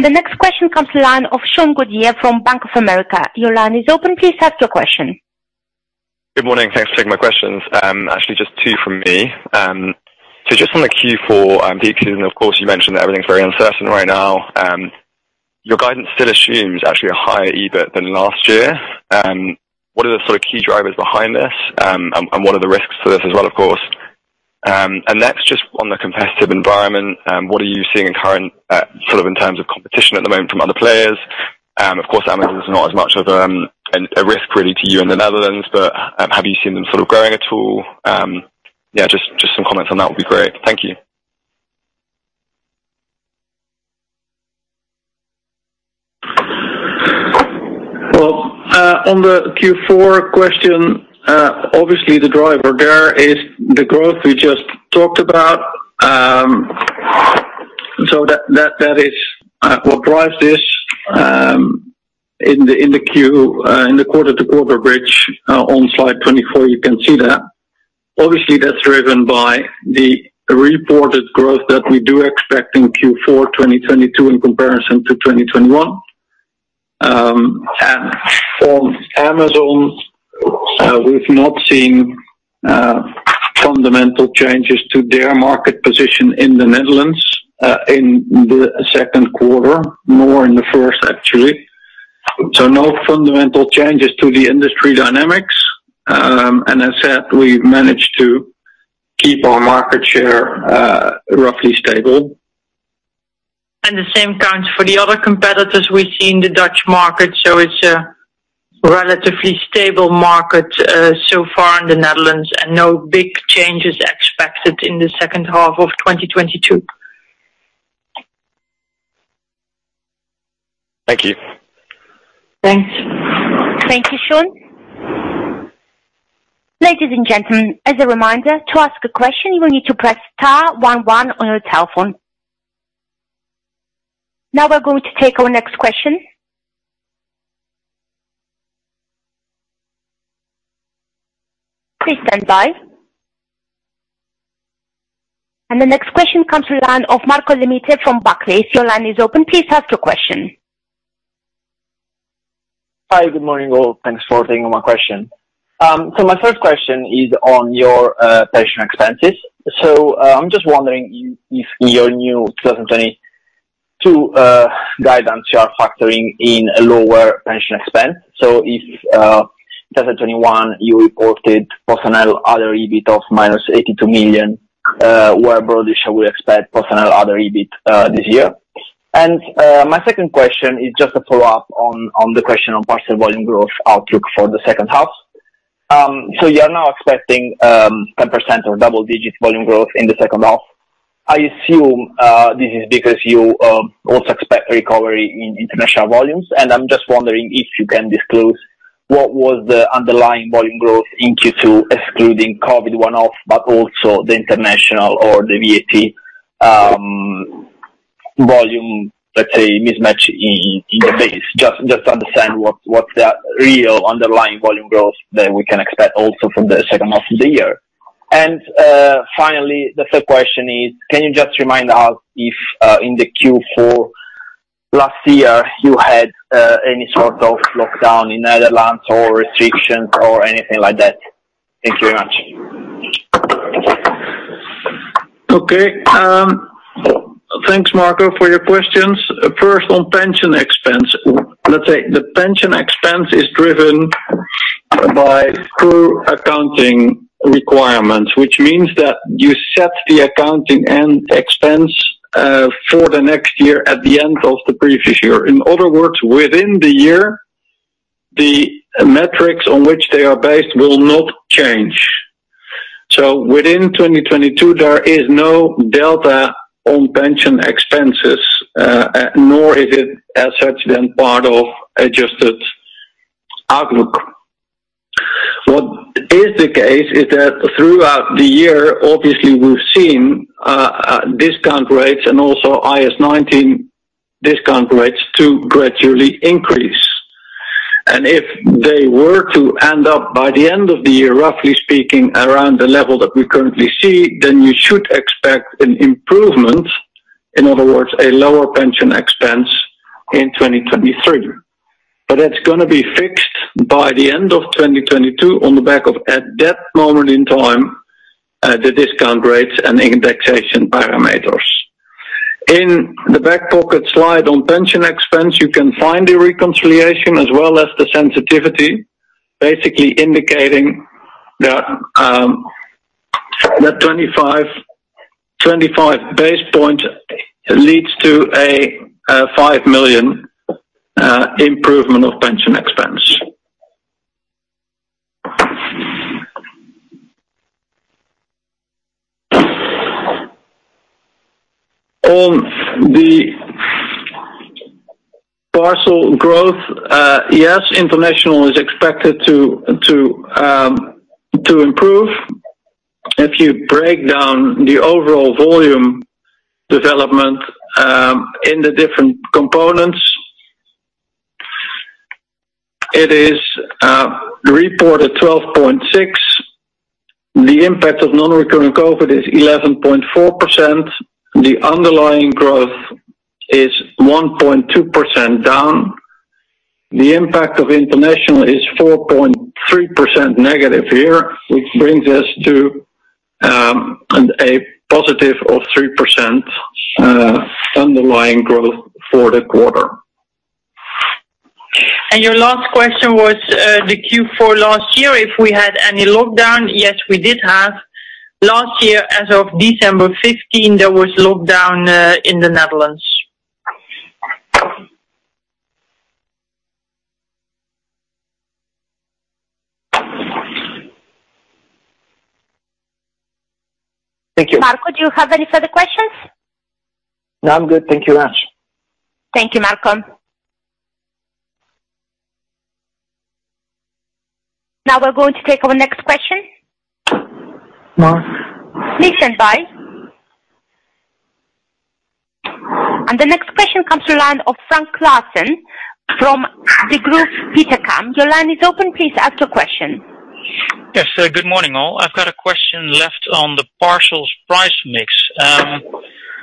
The next question comes to line of Sean Goodier from Bank of America. Your line is open. Please ask your question. Good morning. Thanks for taking my questions. Actually just two from me. So just on the Q4 details, and of course you mentioned that everything's very uncertain right now. Your guidance still assumes actually a higher EBIT than last year. What are the sort of key drivers behind this? And what are the risks to this as well, of course? And next, just on the competitive environment, what are you seeing currently sort of in terms of competition at the moment from other players? Of course, Amazon is not as much of a risk really to you in the Netherlands, but have you seen them sort of growing at all? Yeah, just some comments on that would be great. Thank you. Well, on the Q4 question, obviously the driver there is the growth we just talked about. That is what drives this in the quarter-to-quarter bridge on slide 24, you can see that. Obviously that's driven by the reported growth that we do expect in Q4, 2022 in comparison to 2021. On Amazon, we've not seen fundamental changes to their market position in the Netherlands in the second quarter, more in the first, actually. No fundamental changes to the industry dynamics. As said, we've managed to keep our market share roughly stable. The same counts for the other competitors we see in the Dutch market. It's a relatively stable market, so far in the Netherlands, and no big changes expected in the second half of 2022. Thank you. Thanks. Thank you, Sean. Ladies and gentlemen, as a reminder, to ask a question, you will need to press star one one on your telephone. Now we're going to take our next question. Please stand by. The next question comes to the line of Marco Limite from Barclays. Your line is open. Please ask your question. Hi, good morning all. Thanks for taking my question. My first question is on your pension expenses. I'm just wondering if your new 2022 guidance, you are factoring in a lower pension expense. If 2021, you reported personnel other EBIT of -82 million, where broadly shall we expect personnel other EBIT this year? My second question is just a follow-up on the question on parcel volume growth outlook for the second half. You're now expecting 10% or double-digit volume growth in the second half. I assume, this is because you, also expect recovery in international volumes, and I'm just wondering if you can disclose what was the underlying volume growth in Q2 excluding COVID one-off but also the international or the VAT, volume, let's say, mismatch in the base. Just understand what's the real underlying volume growth that we can expect also from the second half of the year. Finally, the third question is, can you just remind us if, in the Q4 last year you had, any sort of lockdown in Netherlands or restrictions or anything like that? Thank you very much. Okay. Thanks, Marco, for your questions. First, on pension expense. Let's say the pension expense is driven by two accounting requirements, which means that you set the accounting and expense, for the next year at the end of the previous year. In other words, within the year, the metrics on which they are based will not change. Within 2022, there is no delta on pension expenses, nor is it as such then part of adjusted outlook. What is the case is that throughout the year, obviously we've seen, discount rates and also IAS 19 discount rates to gradually increase. If they were to end up by the end of the year, roughly speaking, around the level that we currently see, then you should expect an improvement, in other words, a lower pension expense in 2023. That's gonna be fixed by the end of 2022 on the back of, at that moment in time, the discount rates and indexation parameters. In the back pocket slide on pension expense, you can find the reconciliation as well as the sensitivity, basically indicating that 25 basis point leads to a 5 million improvement of pension expense. On the parcel growth, yes, international is expected to improve. If you break down the overall volume development in the different components, it is reported 12.6%. The impact of non-recurring COVID is 11.4%. The underlying growth is 1.2% down. The impact of international is 4.3% negative here, which brings us to a positive of 3% underlying growth for the quarter. Your last question was, the Q4 last year, if we had any lockdown. Yes, we did have. Last year, as of December 15, there was lockdown in the Netherlands. Thank you. Marco, do you have any further questions? No, I'm good. Thank you very much. Thank you, Marco. Now we're going to take our next question. Mark. Please stand by. The next question comes from the line of Frank Claassen from Degroof Petercam. Your line is open. Please ask your question. Yes. Good morning, all. I've got a question left on the parcels price mix.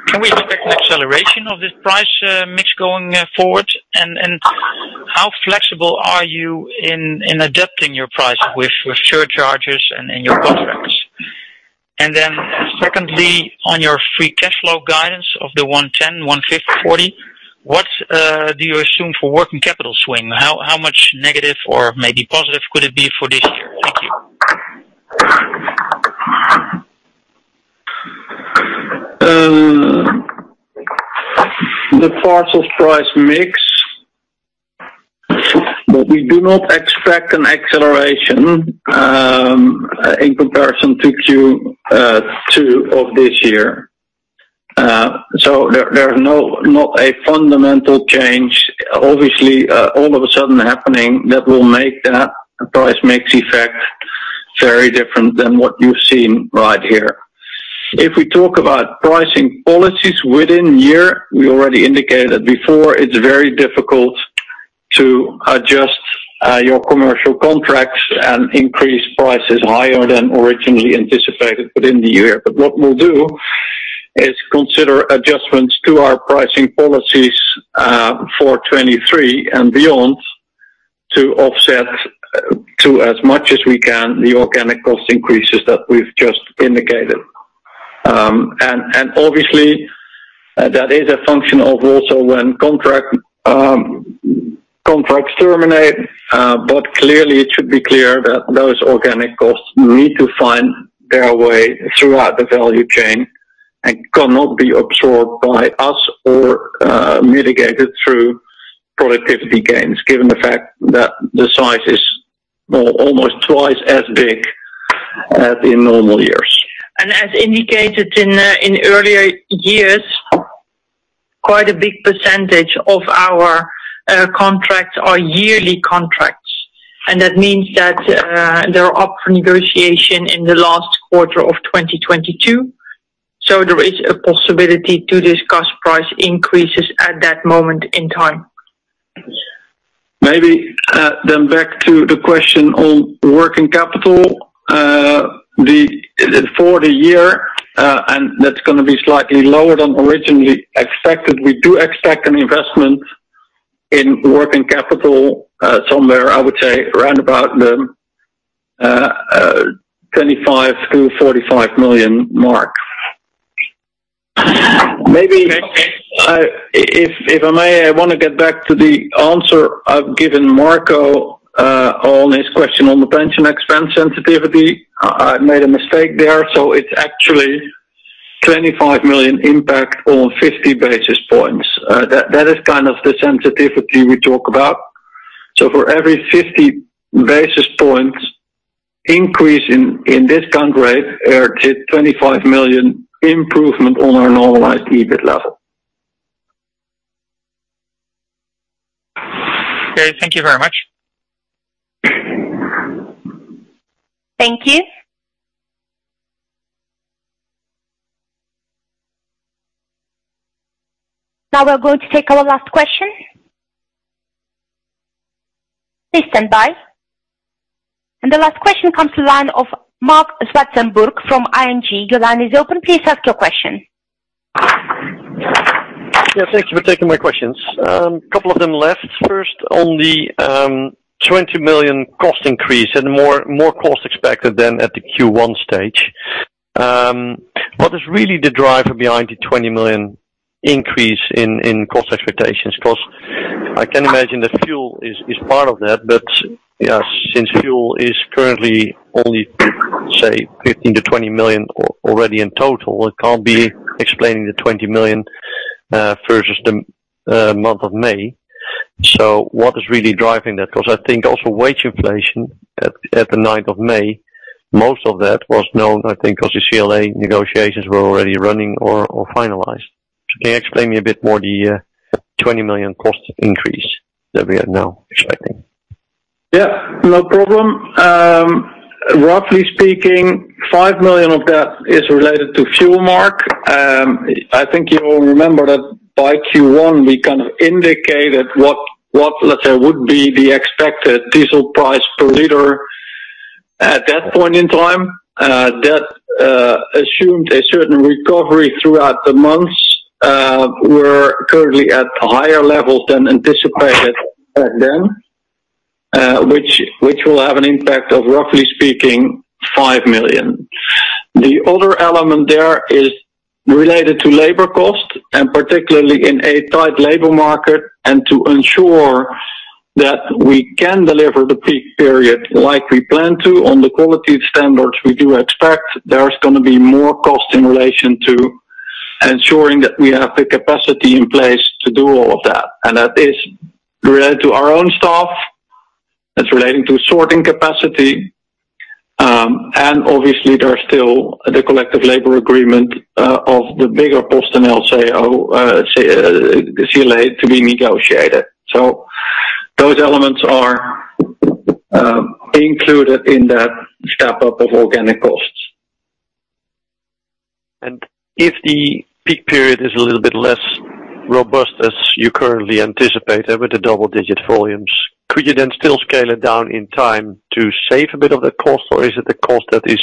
Can we expect an acceleration of this price mix going forward? How flexible are you in adapting your price with surcharges and in your contracts? Secondly, on your free cash flow guidance of the 110, 150, 40, what do you assume for working capital swing? How much negative or maybe positive could it be for this year? Thank you. The parcel price mix, we do not expect an acceleration in comparison to Q2 of this year. There is no fundamental change, obviously, all of a sudden happening that will make that price mix effect very different than what you've seen right here. If we talk about pricing policies within year, we already indicated before it's very difficult to adjust your commercial contracts and increase prices higher than originally anticipated within the year. What we'll do is consider adjustments to our pricing policies for 2023 and beyond to offset as much as we can the organic cost increases that we've just indicated. Obviously that is a function of also when contracts terminate. Clearly it should be clear that those organic costs need to find their way throughout the value chain and cannot be absorbed by us or mitigated through productivity gains, given the fact that the size is, well, almost twice as big as in normal years. As indicated in earlier years, quite a big percentage of our contracts are yearly contracts, and that means that they're up for negotiation in the last quarter of 2022. There is a possibility to discuss price increases at that moment in time. Maybe then back to the question on working capital. For the year, that's gonna be slightly lower than originally expected. We do expect an investment in working capital somewhere, I would say around about the EUR 25 million-EUR 45 million mark. Maybe, if I may, I want to get back to the answer I've given Marco on his question on the pension expense sensitivity. I made a mistake there. It's actually 25 million impact on 50 basis points. That is kind of the sensitivity we talk about. For every 50 basis points increase in discount rate we earn 25 million improvement on our normalized EBIT level. Okay. Thank you very much. Thank you. Now we're going to take our last question. Please stand by. The last question comes to line of Marc Zwartsenburg from ING. Your line is open. Please ask your question. Yeah, thank you for taking my questions. Couple of them left. First on the 20 million cost increase and more cost expected than at the Q1 stage. What is really the driver behind the 20 million increase in cost expectations? 'Cause I can imagine that fuel is part of that, but yes, since fuel is currently only, say, 15 million-20 million already in total, it can't be explaining the 20 million versus the month of May. What is really driving that? 'Cause I think also wage inflation at the 9th of May, most of that was known, I think, 'cause the CLA negotiations were already running or finalized. Can you explain me a bit more the 20 million cost increase that we are now expecting? Yeah, no problem. Roughly speaking, 5 million of that is related to fuel, Marc. I think you all remember that by Q1 we kind of indicated what, let's say, would be the expected diesel price per liter at that point in time. That assumed a certain recovery throughout the months. We're currently at higher levels than anticipated back then, which will have an impact of, roughly speaking, 5 million. The other element there is related to labor cost and particularly in a tight labor market, and to ensure that we can deliver the peak period like we plan to on the quality of standards we do expect, there's gonna be more cost in relation to ensuring that we have the capacity in place to do all of that. That is related to our own staff, that's relating to sorting capacity, and obviously there's still the collective labor agreement of PostNL, the CLA to be negotiated. Those elements are included in that step up of organic costs. If the peak period is a little bit less robust as you currently anticipate it with the double digit volumes, could you then still scale it down in time to save a bit of the cost, or is it the cost that is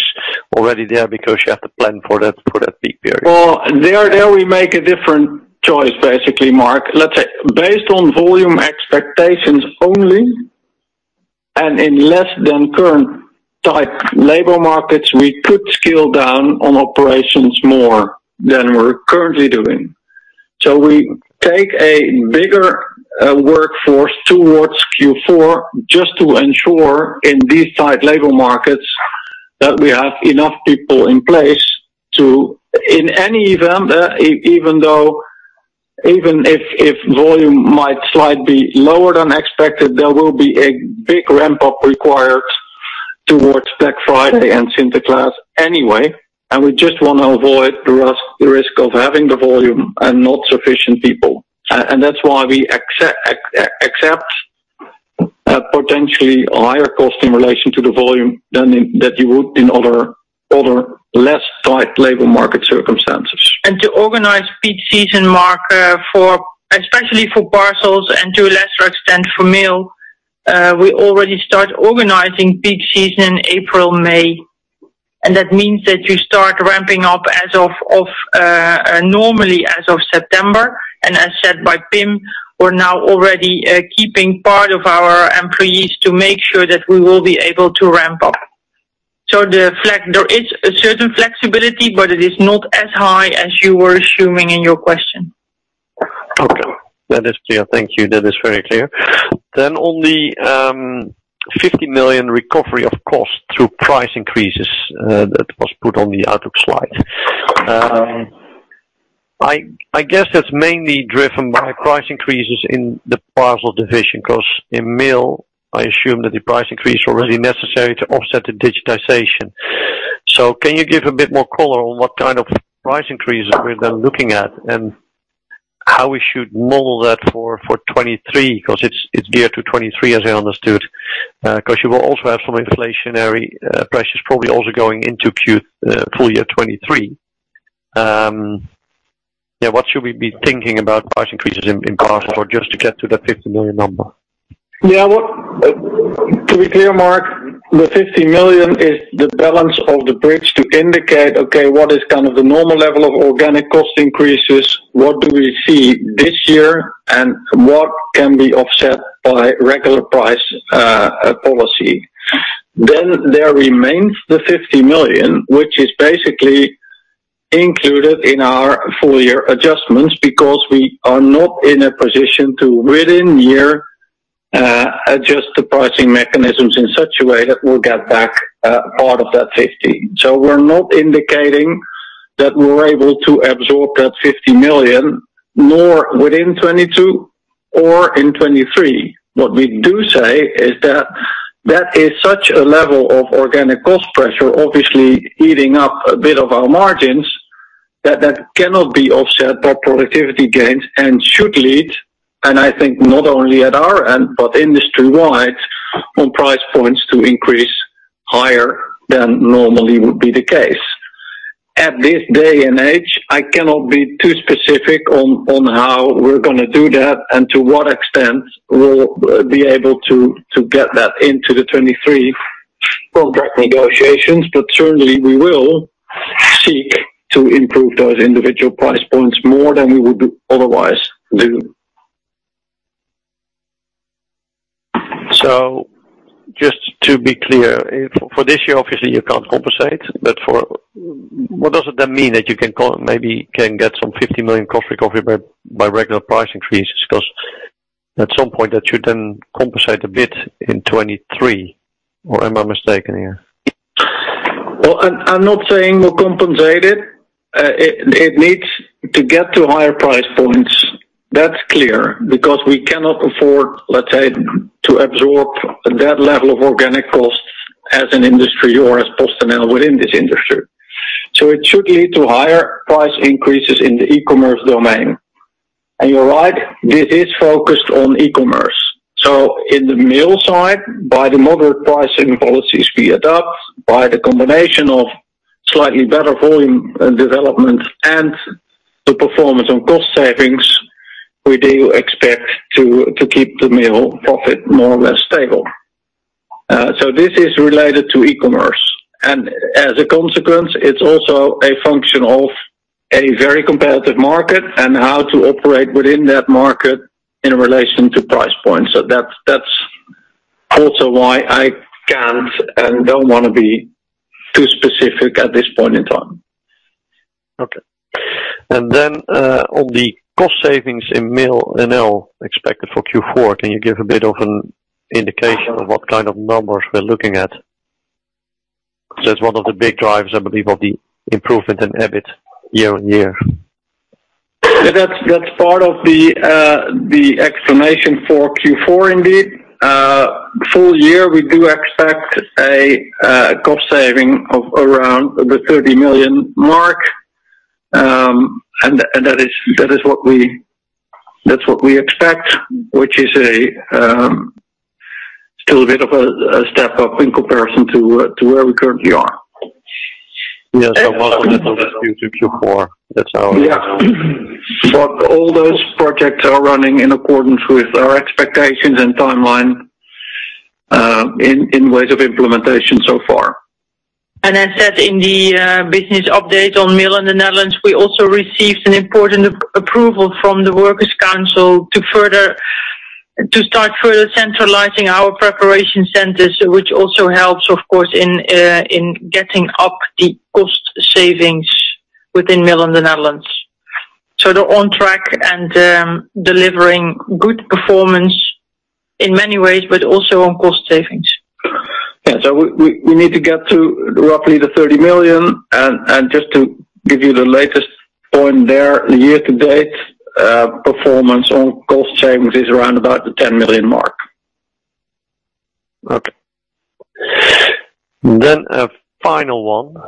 already there because you have to plan for that peak period? Well, there we make a different choice basically, Marc. Let's say based on volume expectations only, and unlike current tight labor markets, we could scale down on operations more than we're currently doing. We take a bigger workforce towards Q4 just to ensure in these tight labor markets that we have enough people in place. In any event, even if volume might slightly be lower than expected, there will be a big ramp up required towards Black Friday and Sinterklaas anyway, and we just wanna avoid the risk of having the volume and not sufficient people. That's why we accept. Potentially a higher cost in relation to the volume than that you would in other less tight labor market circumstances. To organize peak season Marc, for especially for parcels and to a lesser extent for mail, we already start organizing peak season April, May. That means that you start ramping up as of normally as of September. As said by Pim, we're now already keeping part of our employees to make sure that we will be able to ramp up. There is a certain flexibility, but it is not as high as you were assuming in your question. Okay. That is clear. Thank you. That is very clear. On the 50 million recovery of cost through price increases, that was put on the outlook slide. I guess that's mainly driven by price increases in the parcel division. 'Cause in mail, I assume that the price increase already necessary to offset the digitization. Can you give a bit more color on what kind of price increases we're then looking at, and how we should model that for 2023? 'Cause it's geared to 2023 as I understood. 'Cause you will also have some inflationary prices probably also going into full year 2023. What should we be thinking about price increases in parcels or just to get to that 50 million number? Yeah. To be clear, Marc, the 50 million is the balance of the bridge to indicate, okay, what is kind of the normal level of organic cost increases, what do we see this year, and what can be offset by regular price policy. There remains the 50 million, which is basically included in our full year adjustments because we are not in a position to within year adjust the pricing mechanisms in such a way that we'll get back part of that 50 million. We're not indicating that we're able to absorb that 50 million, nor within 2022 or in 2023. What we do say is that that is such a level of organic cost pressure, obviously eating up a bit of our margins, that that cannot be offset by productivity gains and should lead, and I think not only at our end but industry-wide, on price points to increase higher than normally would be the case. At this day and age, I cannot be too specific on how we're gonna do that and to what extent we'll be able to get that into the 2023 contract negotiations, but certainly we will seek to improve those individual price points more than we would otherwise do. Just to be clear, for this year, obviously you can't compensate, but for what does it then mean that you can maybe get some 50 million cost recovery by regular price increases? 'Cause at some point that should then compensate a bit in 2023. Or am I mistaken here? Well, I'm not saying we'll compensate it. It needs to get to higher price points. That's clear. Because we cannot afford, let's say, to absorb that level of organic cost as an industry or as PostNL within this industry. It should lead to higher price increases in the e-commerce domain. You're right, this is focused on e-commerce. In the mail side, by the moderate pricing policies we adopt, by the combination of slightly better volume and development and the performance on cost savings, we do expect to keep the mail profit more or less stable. This is related to e-commerce. As a consequence, it's also a function of a very competitive market and how to operate within that market in relation to price points. That's also why I can't and don't wanna be too specific at this point in time. On the cost savings in Mail NL expected for Q4, can you give a bit of an indication of what kind of numbers we're looking at? 'Cause that's one of the big drivers, I believe, of the improvement in EBIT year-on-year. That's part of the explanation for Q4 indeed. Full year, we do expect a cost saving of around 30 million. That is what we expect, which is still a bit of a step up in comparison to where we currently are. Most of it is Q2, Q4. That's how- Yeah. All those projects are running in accordance with our expectations and timeline, in ways of implementation so far. I said in the business update on mail in the Netherlands, we also received an important approval from the works council to start further centralizing our preparation centers, which also helps of course in getting up the cost savings within mail in the Netherlands. They're on track and delivering good performance in many ways, but also on cost savings. Yeah. We need to get to roughly 30 million. Just to give you the latest point there, year to date, performance on cost savings is around about the EUR 10 million mark. A final one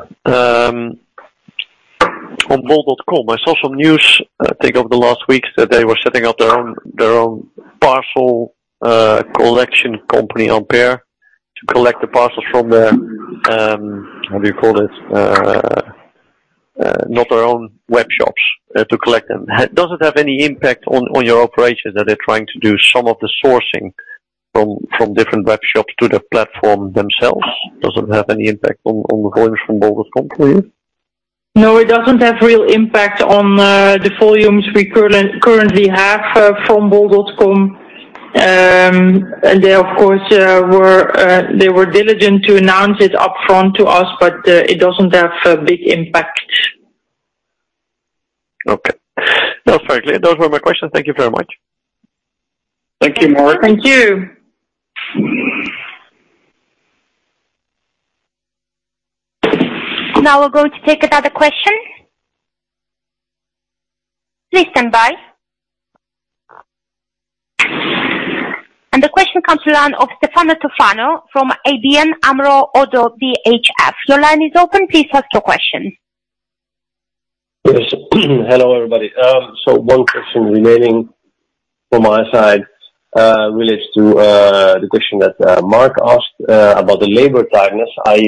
on bol.com. I saw some news, I think, over the last weeks that they were setting up their own parcel collection company, Ampère, to collect the parcels from the, how do you call it? Not their own web shops, to collect them. Does it have any impact on your operations that they're trying to do some of the sourcing from different web shops to the platform themselves? Does it have any impact on the volumes from bol.com for you? No, it doesn't have real impact on the volumes we currently have from bol.com. They of course were diligent to announce it upfront to us, but it doesn't have a big impact. Okay. No, frankly, those were my questions. Thank you very much. Thank you, Marc. Thank you. Now we're going to take another question. Please stand by. The question comes to the line of Stefano Toffano from ABN AMRO-ODDO BHF. Your line is open. Please ask your question. Yes. Hello, everybody. One question remaining from my side relates to the question that Marc asked about the labor tightness. I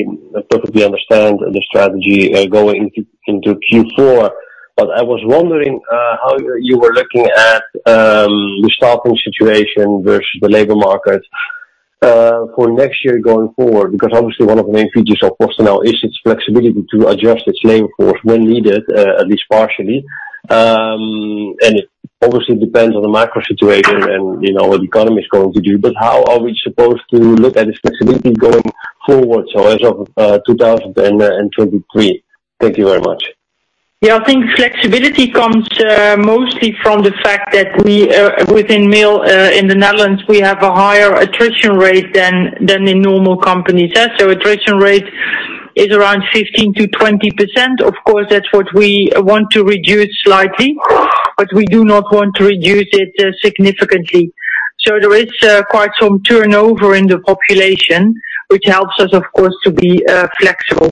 perfectly understand the strategy going into Q4. I was wondering how you were looking at the staffing situation versus the labor market for next year going forward, because obviously one of the main features of PostNL is its flexibility to adjust its labor force when needed, at least partially. It obviously depends on the macro situation and, you know, what the economy is going to do, but how are we supposed to look at the flexibility going forward, so as of 2023? Thank you very much. Yeah. I think flexibility comes mostly from the fact that we within Mail in the Netherlands we have a higher attrition rate than the normal company. Attrition rate is around 15%-20%. Of course, that's what we want to reduce slightly, but we do not want to reduce it significantly. There is quite some turnover in the population, which helps us, of course, to be flexible.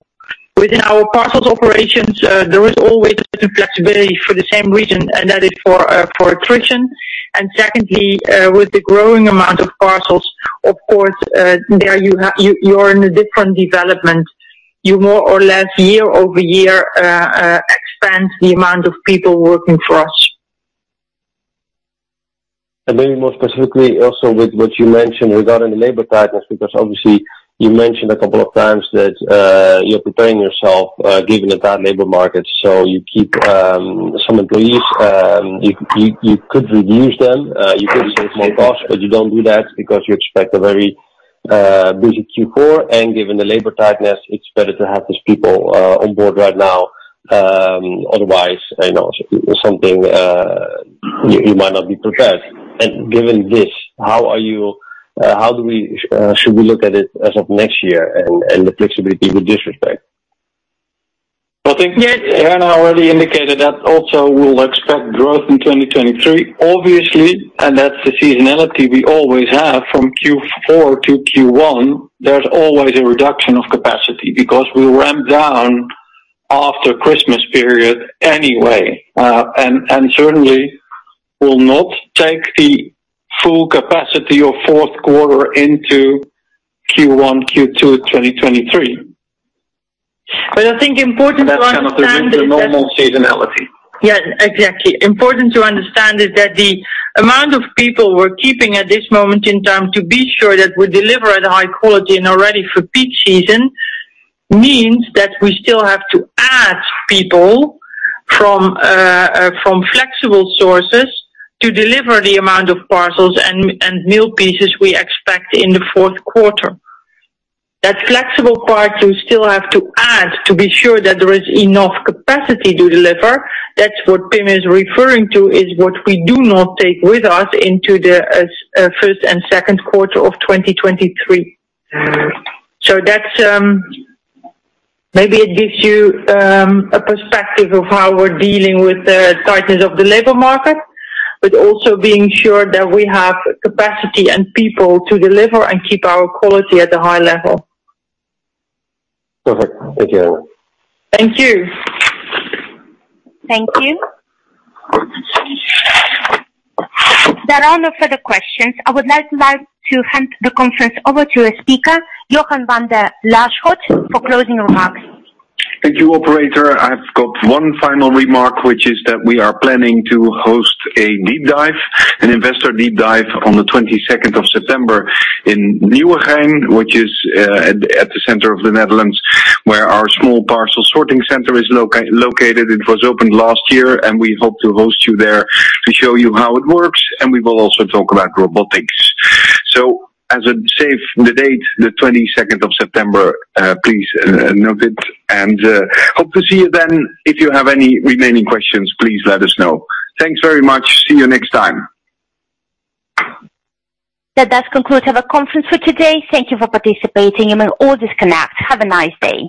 Within our parcels operations, there is always a certain flexibility for the same reason, and that is for attrition. Secondly, with the growing amount of parcels, of course, there you're in a different development. You more or less year-over-year expand the amount of people working for us. Maybe more specifically also with what you mentioned regarding the labor tightness, because obviously you mentioned a couple of times that you're preparing yourself given the tight labor market. You keep some employees. You could reduce them, you could save some costs, but you don't do that because you expect a very busy Q4. Given the labor tightness, it's better to have these people on board right now, otherwise you know something you might not be prepared. Given this, should we look at it as of next year and the flexibility with this respect? I think, Herna already indicated that also we'll expect growth in 2023. Obviously, that's the seasonality we always have from Q4 to Q1, there's always a reduction of capacity because we ramp down after Christmas period anyway, and certainly will not take the full capacity of fourth quarter into Q1, Q2 2023. I think important to understand is that. Kind of the normal seasonality. Yeah, exactly. Important to understand is that the amount of people we're keeping at this moment in time to be sure that we deliver at a high quality and are ready for peak season means that we still have to add people from flexible sources to deliver the amount of parcels and mail pieces we expect in the fourth quarter. That flexible part you still have to add to be sure that there is enough capacity to deliver. That's what Pim is referring to, is what we do not take with us into the first and second quarter of 2023. That's. Maybe it gives you a perspective of how we're dealing with the tightness of the labor market, but also being sure that we have capacity and people to deliver and keep our quality at a high level. Perfect. Thank you, Herna. Thank you. Thank you. There are no further questions. I would now like to hand the conference over to a speaker, Jochem van de Laarschot, for closing remarks. Thank you, operator. I've got one final remark, which is that we are planning to host a deep dive, an investor deep dive on the 22nd of September in Nieuwegein, which is at the center of the Netherlands, where our small parcel sorting center is located. It was opened last year, and we hope to host you there to show you how it works. We will also talk about robotics. As a save the date, the 22nd of September, please note it and hope to see you then. If you have any remaining questions, please let us know. Thanks very much. See you next time. That does conclude our conference for today. Thank you for participating. You may all disconnect. Have a nice day.